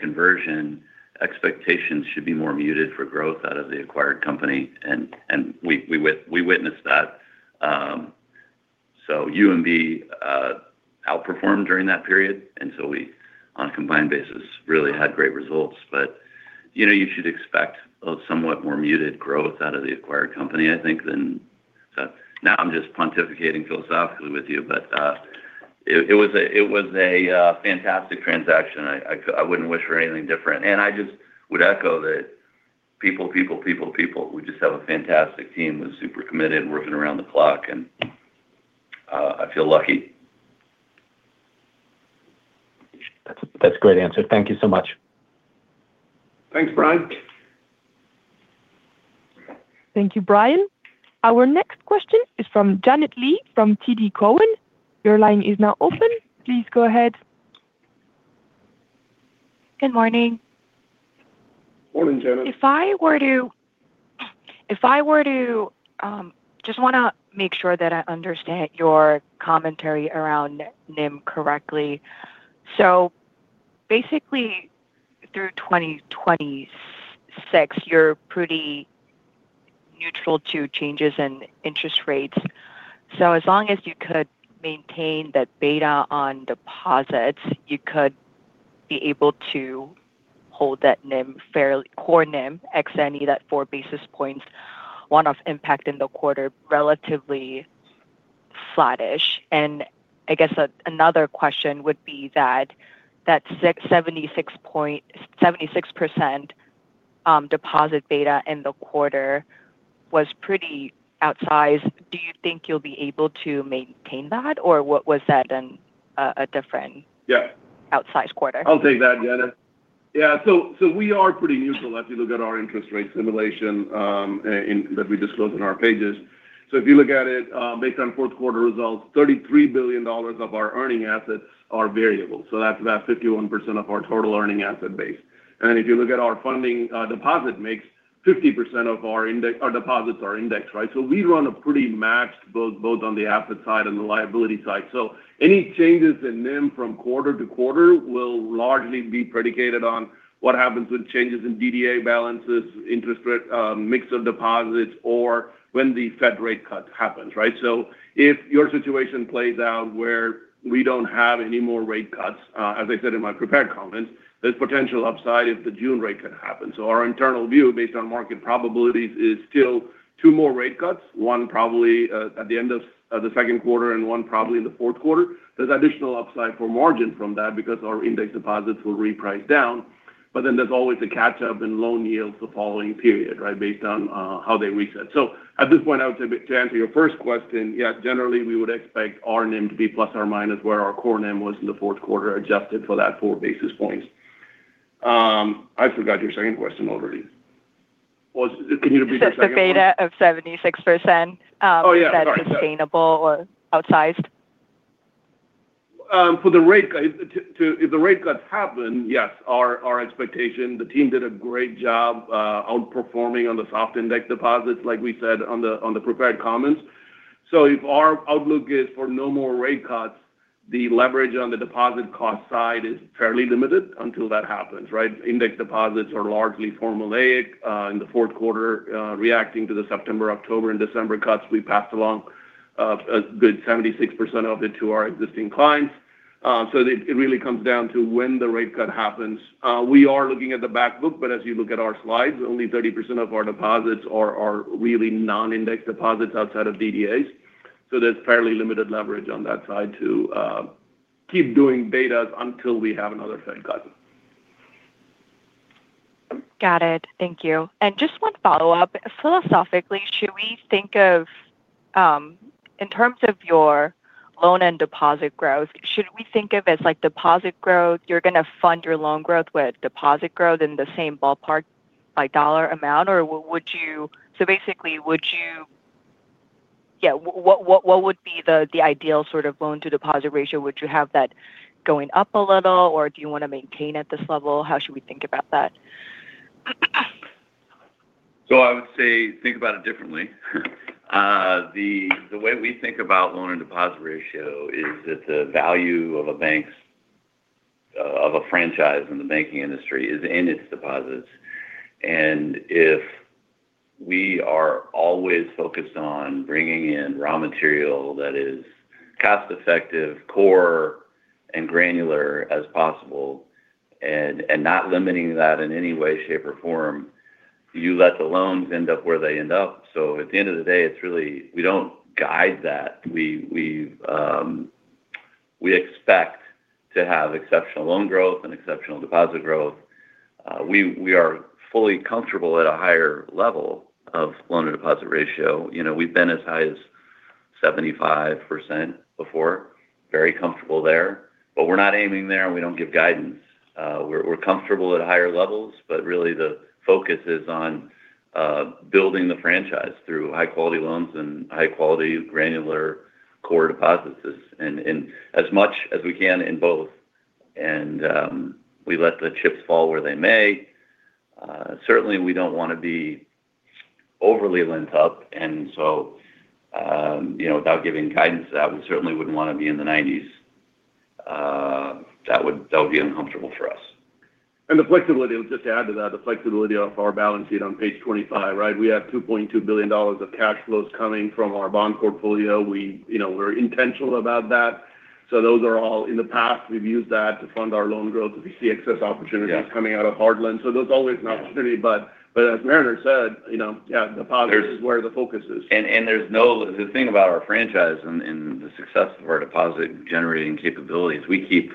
conversion, expectations should be more muted for growth out of the acquired company. And we witnessed that. So UMB outperformed during that period, and so we, on a combined basis, really had great results. But, you know, you should expect a somewhat more muted growth out of the acquired company, I think, than... So now I'm just pontificating philosophically with you, but it was a fantastic transaction. I wouldn't wish for anything different. And I just would echo that people, people, people, people, we just have a fantastic team, who's super committed, working around the clock, and I feel lucky.
That's a, that's a great answer. Thank you so much.
Thanks, Brian.
Thank you, Brian. Our next question is from Janet Lee, from TD Cowen. Your line is now open. Please go ahead.
Good morning.
Morning, Janet.
If I were to, I just want to make sure that I understand your commentary around NIM correctly. So basically, through 2026, you're pretty neutral to changes in interest rates. So as long as you could maintain that beta on deposits, you could be able to hold that core NIM fairly, excluding that four basis points one-off impact in the quarter, relatively flattish. And I guess another question would be that 676.76% deposit beta in the quarter was pretty outsized. Do you think you'll be able to maintain that? Or was that a different-
Yeah.
- outsized quarter?
I'll take that, Janet. Yeah, so, so we are pretty neutral as you look at our interest rate simulation, and that we disclose in our pages. So if you look at it, based on fourth quarter results, $33 billion of our earning assets are variable, so that's about 51% of our total earning asset base. And if you look at our funding, deposit mix, 50% of our index-- our deposits are indexed, right? So we run a pretty matched both, both on the asset side and the liability side. So any changes in NIM from quarter to quarter will largely be predicated on what happens with changes in DDA balances, interest rate, mix of deposits, or when the Fed rate cut happens, right? So if your situation plays out where we don't have any more rate cuts, as I said in my prepared comments, there's potential upside if the June rate cut happens. So our internal view, based on market probabilities, is still two more rate cuts, one probably at the end of the second quarter and one probably in the fourth quarter. There's additional upside for margin from that because our index deposits will reprice down, but then there's always a catch-up in loan yields the following period, right, based on how they reset. So at this point, I would say, to answer your first question, yes, generally, we would expect our NIM to be plus or minus where our core NIM was in the fourth quarter, adjusted for that four basis points. I forgot your second question already. Can you repeat the second one?
Just the beta of 76%-
Oh, yeah.
Is that sustainable or outsized?
For the rate cut, if the rate cuts happen, yes, our expectation, the team did a great job, outperforming on the soft index deposits, like we said on the prepared comments. So if our outlook is for no more rate cuts, the leverage on the deposit cost side is fairly limited until that happens, right? Index deposits are largely formulaic. In the fourth quarter, reacting to the September, October, and December cuts, we passed along a good 76% of it to our existing clients. So it really comes down to when the rate cut happens. We are looking at the back book, but as you look at our slides, only 30% of our deposits are really non-index deposits outside of DDAs. There's fairly limited leverage on that side to keep doing betas until we have another Fed cut.
Got it. Thank you. And just one follow-up: philosophically, should we think of, in terms of your loan and deposit growth, should we think of it as, like, deposit growth, you're going to fund your loan growth with deposit growth in the same ballpark by dollar amount? Or would you—So basically, would you? Yeah, what would be the ideal sort of loan-to-deposit ratio? Would you have that going up a little, or do you want to maintain at this level? How should we think about that?
So I would say think about it differently. The way we think about loan-to-deposit ratio is that the value of a bank's of a franchise in the banking industry is in its deposits. And if we are always focused on bringing in raw material that is cost effective, core and granular as possible, and not limiting that in any way, shape, or form, you let the loans end up where they end up. So at the end of the day, it's really. We don't guide that. We, we've, we expect to have exceptional loan growth and exceptional deposit growth. We are fully comfortable at a higher level of loan-to-deposit ratio. You know, we've been as high as 75% before. Very comfortable there, but we're not aiming there and we don't give guidance. We're comfortable at higher levels, but really the focus is on building the franchise through high-quality loans and high-quality, granular core deposits, and in as much as we can in both, and we let the chips fall where they may. Certainly, we don't want to be overly lent up, and so, you know, without giving guidance to that, we certainly wouldn't want to be in the nineties. That would be uncomfortable for us.
And the flexibility, I'll just add to that, the flexibility of our balance sheet on Page 25, right? We have $2.2 billion of cash flows coming from our bond portfolio. We, you know, we're intentional about that. So those are all, in the past, we've used that to fund our loan growth if we see excess opportunities-
Yeah
Coming out of hard loans. So there's always an opportunity, but, but as Mariner said, you know, yeah, deposit is where the focus is.
The thing about our franchise and the success of our deposit-generating capabilities, we keep,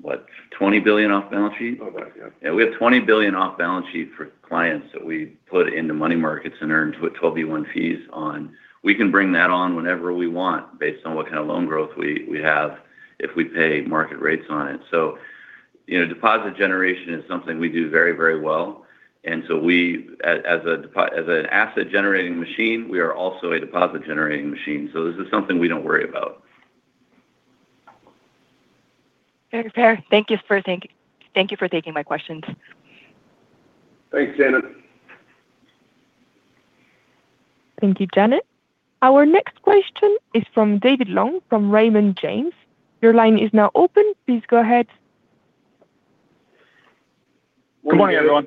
what, $20 billion off-balance sheet?
About, yeah.
Yeah, we have $20 billion off-balance sheet for clients that we put into money markets and earn twelve bps fees on. We can bring that on whenever we want, based on what kind of loan growth we have, if we pay market rates on it. So, you know, deposit generation is something we do very, very well, and so we, as an asset-generating machine, we are also a deposit-generating machine, so this is something we don't worry about.
Fair, fair. Thank you for taking my questions.
Thanks, Janet.
Thank you, Janet. Our next question is from David Long, from Raymond James. Your line is now open. Please go ahead....
Good morning, everyone.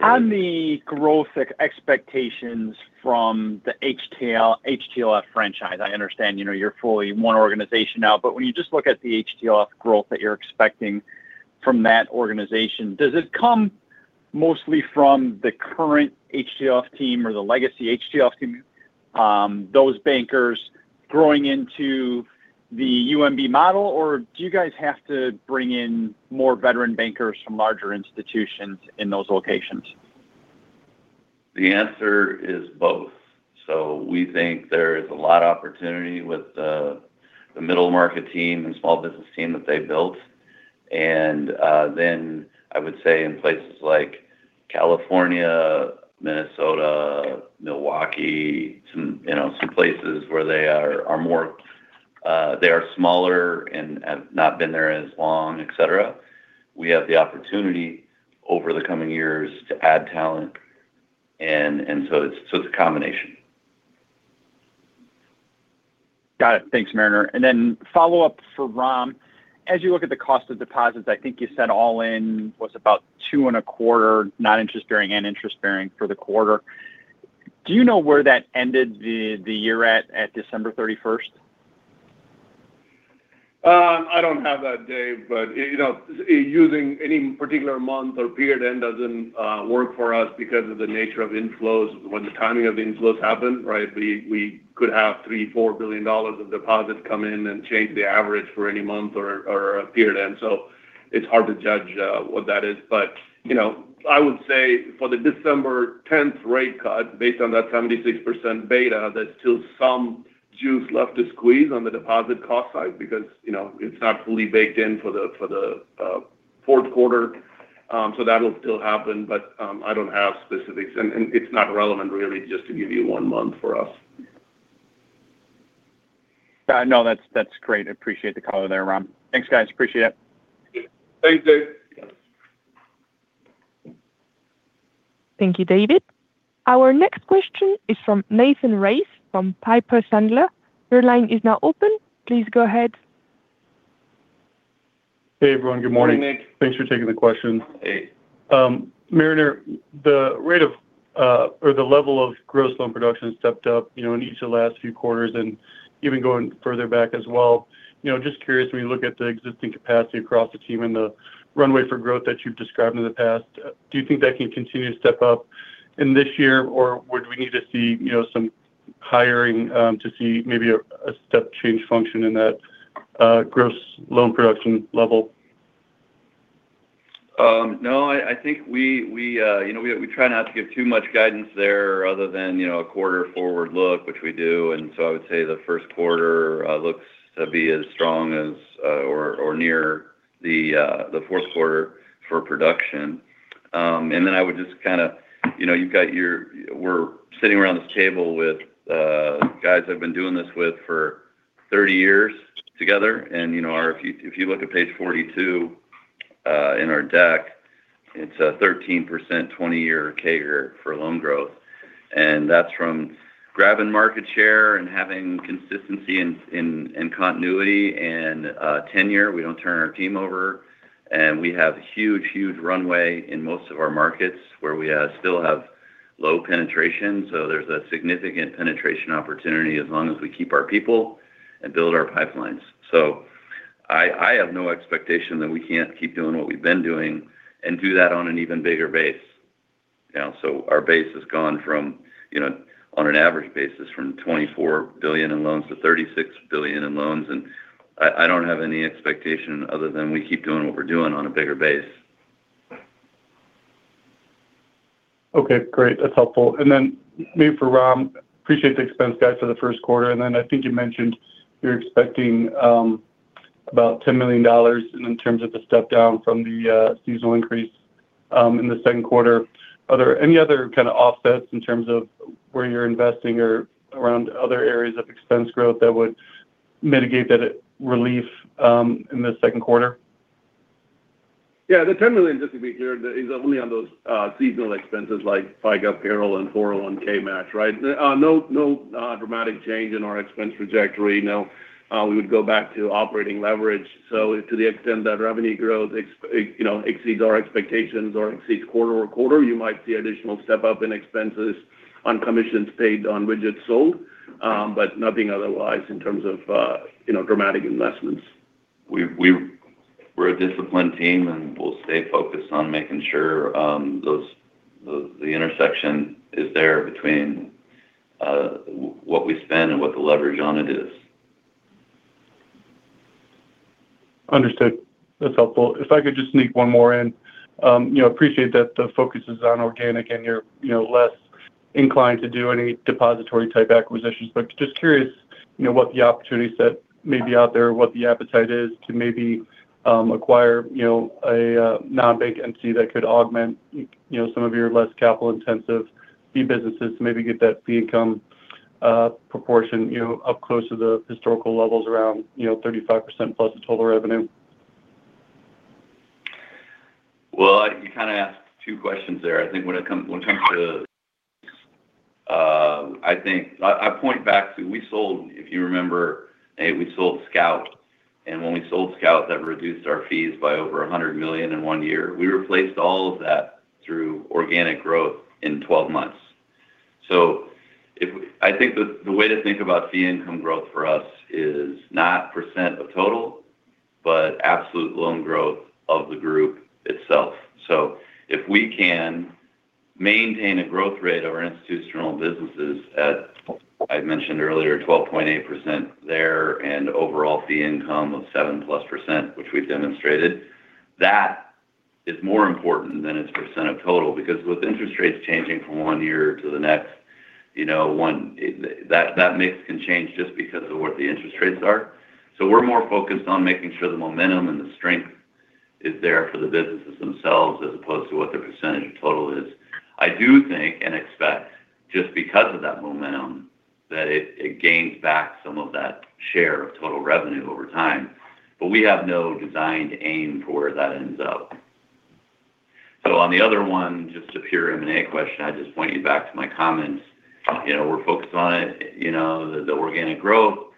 On the growth expectations from the HTLF franchise, I understand, you know, you're fully one organization now, but when you just look at the HTLF growth that you're expecting from that organization, does it come mostly from the current HTLF team or the legacy HTLF team, those bankers growing into the UMB model? Or do you guys have to bring in more veteran bankers from larger institutions in those locations?
The answer is both. So we think there is a lot of opportunity with the middle market team and small business team that they built. Then I would say in places like California, Minnesota, Milwaukee, some, you know, some places where they are more, they are smaller and have not been there as long, et cetera. We have the opportunity over the coming years to add talent, and so it's a combination.
Got it. Thanks, Mariner. And then follow up for Ram. As you look at the cost of deposits, I think you said all in was about 2.25, non-interest bearing and interest bearing for the quarter. Do you know where that ended the year at, at December thirty-first?
I don't have that, Dave, but, you know, using any particular month or period end doesn't work for us because of the nature of inflows. When the timing of the inflows happen, right, we could have $3-$4 billion of deposits come in and change the average for any month or a period end. So it's hard to judge what that is. But, you know, I would say for the December tenth rate cut, based on that 76% beta, there's still some juice left to squeeze on the deposit cost side, because, you know, it's not fully baked in for the fourth quarter. So that'll still happen, but, I don't have specifics. And it's not relevant really, just to give you one month for us.
I know. That's, that's great. I appreciate the color there, Ram. Thanks, guys. Appreciate it.
Thanks, Dave.
Thank you, David. Our next question is from Nathan Race, from Piper Sandler. Your line is now open. Please go ahead.
Hey, everyone. Good morning.
Good morning, Nick.
Thanks for taking the question.
Hey.
Mariner, the rate of, or the level of gross loan production stepped up, you know, in each of the last few quarters, and even going further back as well. You know, just curious, when you look at the existing capacity across the team and the runway for growth that you've described in the past, do you think that can continue to step up in this year, or would we need to see, you know, some hiring, to see maybe a step change function in that, gross loan production level?
No, I think we try not to give too much guidance there other than, you know, a quarter forward look, which we do. And so I would say the first quarter looks to be as strong as or near the fourth quarter for production. And then I would just kind of, you know, you've got your. We're sitting around this table with guys I've been doing this with for 30 years together. And, you know, if you look at Page 42 in our deck, it's a 13% 20-year CAGR for loan growth. And that's from grabbing market share and having consistency in continuity and tenure. We don't turn our team over, and we have huge, huge runway in most of our markets where we still have low penetration. So there's a significant penetration opportunity as long as we keep our people and build our pipelines. So I, I have no expectation that we can't keep doing what we've been doing and do that on an even bigger base. You know, so our base has gone from, you know, on an average basis, from $24 billion in loans to $36 billion in loans, and I, I don't have any expectation other than we keep doing what we're doing on a bigger base.
Okay, great. That's helpful. And then maybe for Ram, appreciate the expense guide for the first quarter, and then I think you mentioned you're expecting about $10 million in terms of the step down from the seasonal increase in the second quarter. Are there any other kind of offsets in terms of where you're investing or around other areas of expense growth that would mitigate that relief in the second quarter?
Yeah, the $10 million, just to be clear, is only on those, seasonal expenses like FICA payroll and 401 match, right? No, no, dramatic change in our expense trajectory. No, we would go back to operating leverage. So to the extent that revenue growth ex, you know, exceeds our expectations or exceeds quarter-over-quarter, you might see additional step-up in expenses on commissions paid on widgets sold, but nothing otherwise in terms of, you know, dramatic investments.
We're a disciplined team, and we'll stay focused on making sure that the intersection is there between what we spend and what the leverage on it is.
Understood. That's helpful. If I could just sneak one more in. You know, appreciate that the focus is on organic and you're, you know, less inclined to do any depository type acquisitions. But just curious, you know, what the opportunity set may be out there, what the appetite is to maybe acquire, you know, a non-bank entity that could augment, you know, some of your less capital-intensive fee businesses to maybe get that fee income proportion, you know, up close to the historical levels, around, you know, 35% plus of total revenue.
Well, you kind of asked two questions there. I think when it comes to the- I think I point back to we sold, if you remember, hey, we sold Scout, and when we sold Scout, that reduced our fees by over $100 million in one year. We replaced all of that through organic growth in 12 months. So if I think the way to think about fee income growth for us is not % of total, but absolute loan growth of the group itself. So if we can maintain a growth rate of our institutional businesses, as I mentioned earlier, 12.8% there, and overall fee income of 7%+, which we've demonstrated, that is more important than its percent of total, because with interest rates changing from one year to the next, you know, that mix can change just because of what the interest rates are. So we're more focused on making sure the momentum and the strength is there for the businesses themselves, as opposed to what the percentage of total is. I do think and expect, just because of that momentum, that it gains back some of that share of total revenue over time, but we have no designed aim for where that ends up. So on the other one, just a pure M&A question, I just point you back to my comments. You know, we're focused on it, you know, the organic growth.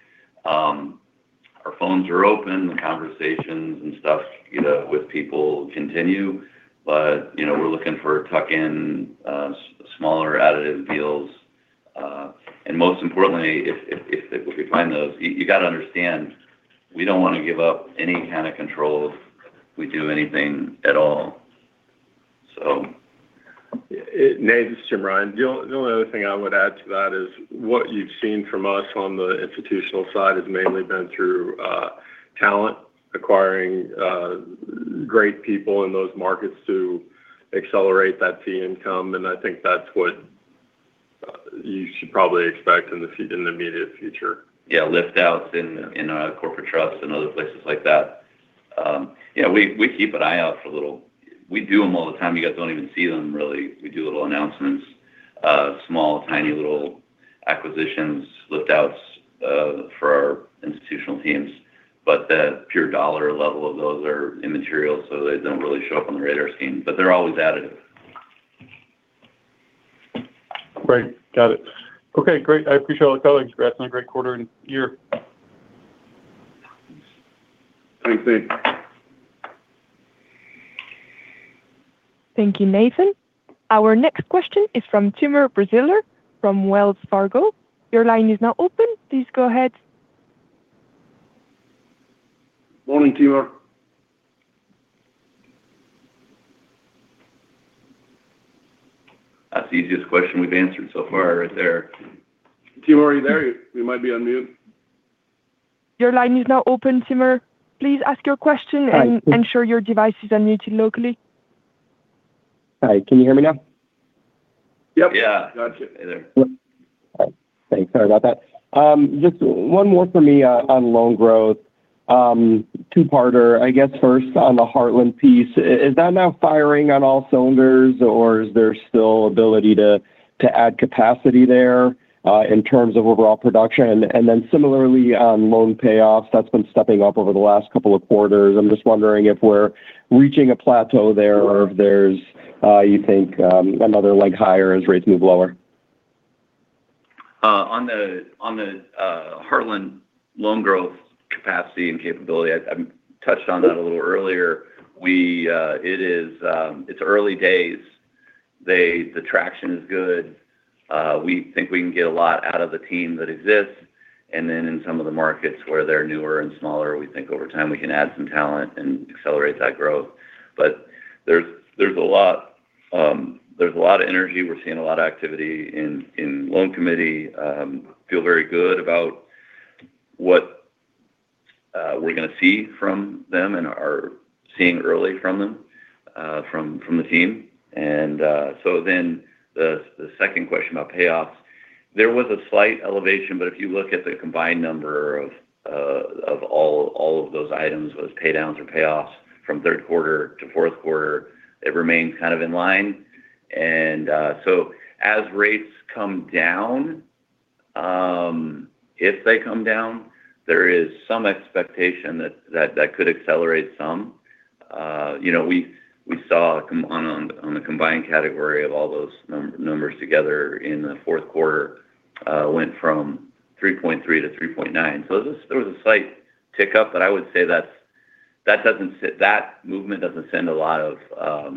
Our phones are open, the conversations and stuff, you know, with people continue. But, you know, we're looking for tuck-in, smaller additive deals. And most importantly, if we find those, you got to understand, we don't want to give up any kind of control if we do anything at all. So-
Nate, this is Jim Rine. The only other thing I would add to that is what you've seen from us on the institutional side has mainly been through talent acquiring great people in those markets to accelerate that fee income. And I think that's what you should probably expect in the immediate future.
Yeah, lift outs in our corporate trust and other places like that. Yeah, we keep an eye out for little-- We do them all the time. You guys don't even see them, really. We do little announcements, small, tiny, little acquisitions, lift outs, for our institutional teams. But the pure dollar level of those are immaterial, so they don't really show up on the radar scene, but they're always additive.
Great. Got it. Okay, great. I appreciate all the colleagues. Congrats on a great quarter and year.
Thanks, Nate.
Thank you, Nathan. Our next question is from Timur Braziler, from Wells Fargo. Your line is now open. Please go ahead.
Morning, Timur.
That's the easiest question we've answered so far, right there.
Timur, are you there? You might be on mute.
Your line is now open, Timur. Please ask your question.
Hi.
and ensure your device is unmuted locally.
Hi, can you hear me now?
Yep.
Yeah, got you. Hey there.
Thanks. Sorry about that. Just one more for me on loan growth. two-parter, I guess first on the Heartland piece. Is that now firing on all cylinders, or is there still ability to add capacity there in terms of overall production? And then similarly, on loan payoffs, that's been stepping up over the last couple of quarters. I'm just wondering if we're reaching a plateau there or if there's you think another leg higher as rates move lower.
On the Heartland loan growth capacity and capability, I touched on that a little earlier. We, it's early days. The traction is good. We think we can get a lot out of the team that exists. And then in some of the markets where they're newer and smaller, we think over time, we can add some talent and accelerate that growth. But there's a lot of energy. We're seeing a lot of activity in loan committee. Feel very good about what we're going to see from them and are seeing early from them, from the team. And so then the second question about payoffs. There was a slight elevation, but if you look at the combined number of all of those items, whether it's pay downs or payoffs, from third quarter to fourth quarter, it remains kind of in line. So as rates come down, if they come down, there is some expectation that that could accelerate some. You know, we saw on the combined category of all those numbers together in the fourth quarter, went from 3.3-3.9. So there was a slight tick up, but I would say that movement doesn't send a lot of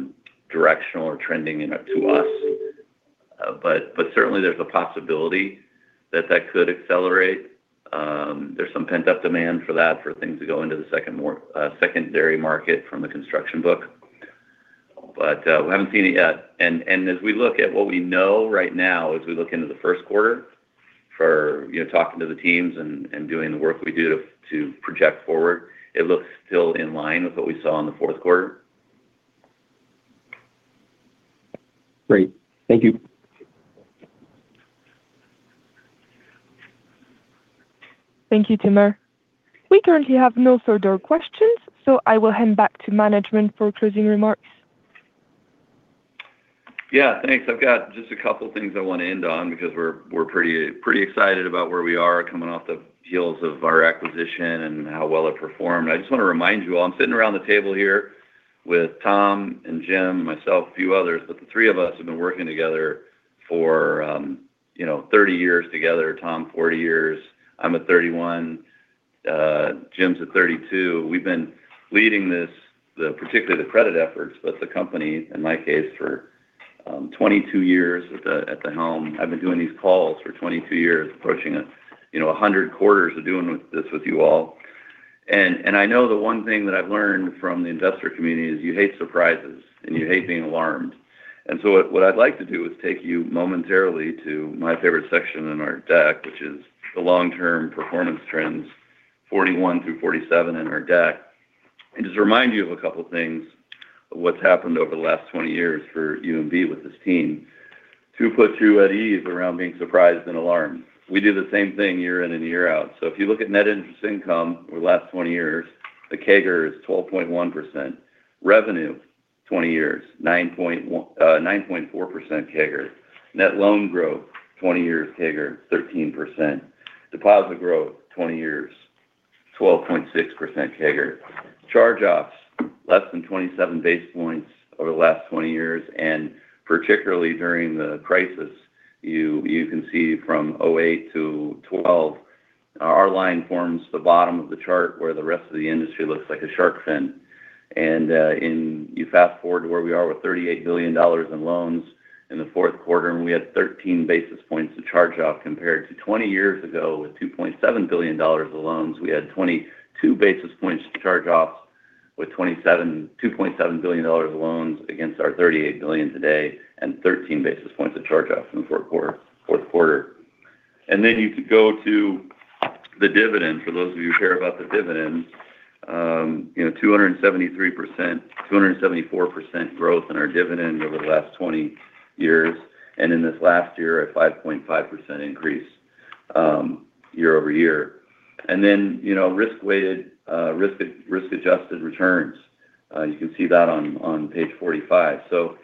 directional or trending in it to us. But certainly there's a possibility that that could accelerate. There's some pent-up demand for that, for things to go into the second more secondary market from the construction book. But we haven't seen it yet. And as we look at what we know right now, as we look into the first quarter for, you know, talking to the teams and doing the work we do to project forward, it looks still in line with what we saw in the fourth quarter.
Great. Thank you.
Thank you, Timur. We currently have no further questions, so I will hand back to management for closing remarks.
Yeah, thanks. I've got just a couple of things I want to end on because we're pretty excited about where we are coming off the heels of our acquisition and how well it performed. I just want to remind you all. I'm sitting around the table here with Tom and Jim, myself, a few others, but the three of us have been working together for, you know, 30 years together. Tom, 40 years. I'm at 31, Jim's at 32. We've been leading this, the, particularly the credit efforts, but the company, in my case, for 22 years at the helm. I've been doing these calls for 22 years, approaching a, you know, 100 quarters of doing this with you all. I know the one thing that I've learned from the investor community is you hate surprises, and you hate being alarmed. What I'd like to do is take you momentarily to my favorite section in our deck, which is the long-term performance trends, 41 through 47 in our deck. Just remind you of a couple of things, what's happened over the last 20 years for UMB with this team. To put you at ease around being surprised and alarmed. We do the same thing year in and year out. If you look at net interest income over the last 20 years, the CAGR is 12.1%. Revenue, 20 years, 9.1, 9.4% CAGR. Net loan growth, 20 years CAGR, 13%. Deposit growth, 20 years, 12.6% CAGR. Charge-offs, less than 27 basis points over the last 20 years, and particularly during the crisis, you, you can see from 2008-2012, our line forms the bottom of the chart where the rest of the industry looks like a shark fin. And, and you fast forward to where we are with $38 billion in loans in the fourth quarter, and we had 13 basis points to charge off, compared to 20 years ago, with $2.7 billion of loans. We had 22 basis points to charge off with 27, $2.7 billion of loans against our $38 billion today, and 13 basis points to charge off in the fourth quarter, fourth quarter. And then you go to the dividend, for those of you who care about the dividends. You know, 273%, 274% growth in our dividend over the last 20 years, and in this last year, a 5.5% increase, year-over-year. And then, you know, risk-weighted, risk-adjusted returns, you can see that on page 45. So,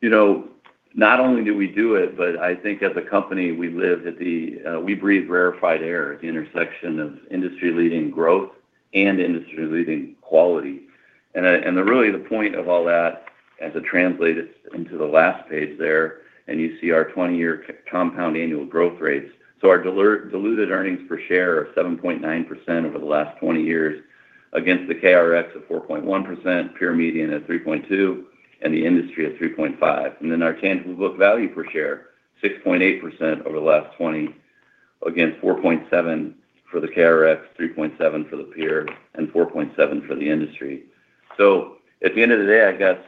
you know, not only do we do it, but I think as a company, we live at the, we breathe rarefied air at the intersection of industry-leading growth and industry-leading quality. And, and really the point of all that, as I translate it into the last page there, and you see our 20-year compound annual growth rates. So our diluted earnings per share are 7.9% over the last 20 years, against the KRX of 4.1%, peer median at 3.2%, and the industry at 3.5%. And then our tangible book value per share, 6.8% over the last 20, against 4.7% for the KRX, 3.7% for the peer, and 4.7% for the industry. So at the end of the day, I guess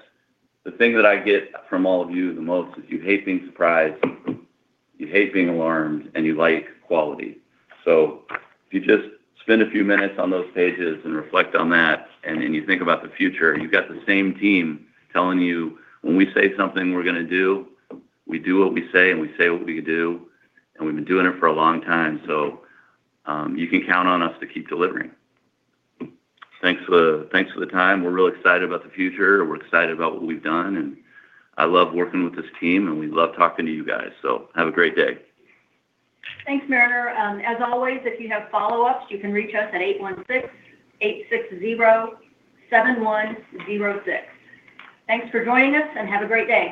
the thing that I get from all of you the most is you hate being surprised, you hate being alarmed, and you like quality. So if you just spend a few minutes on those pages and reflect on that, and you think about the future, you've got the same team telling you when we say something we're going to do, we do what we say, and we say what we do, and we've been doing it for a long time, so you can count on us to keep delivering. Thanks for the time. We're really excited about the future, and we're excited about what we've done, and I love working with this team, and we love talking to you guys, so have a great day.
Thanks, Mariner. As always, if you have follow-ups, you can reach us at 816-860-7106. Thanks for joining us, and have a great day.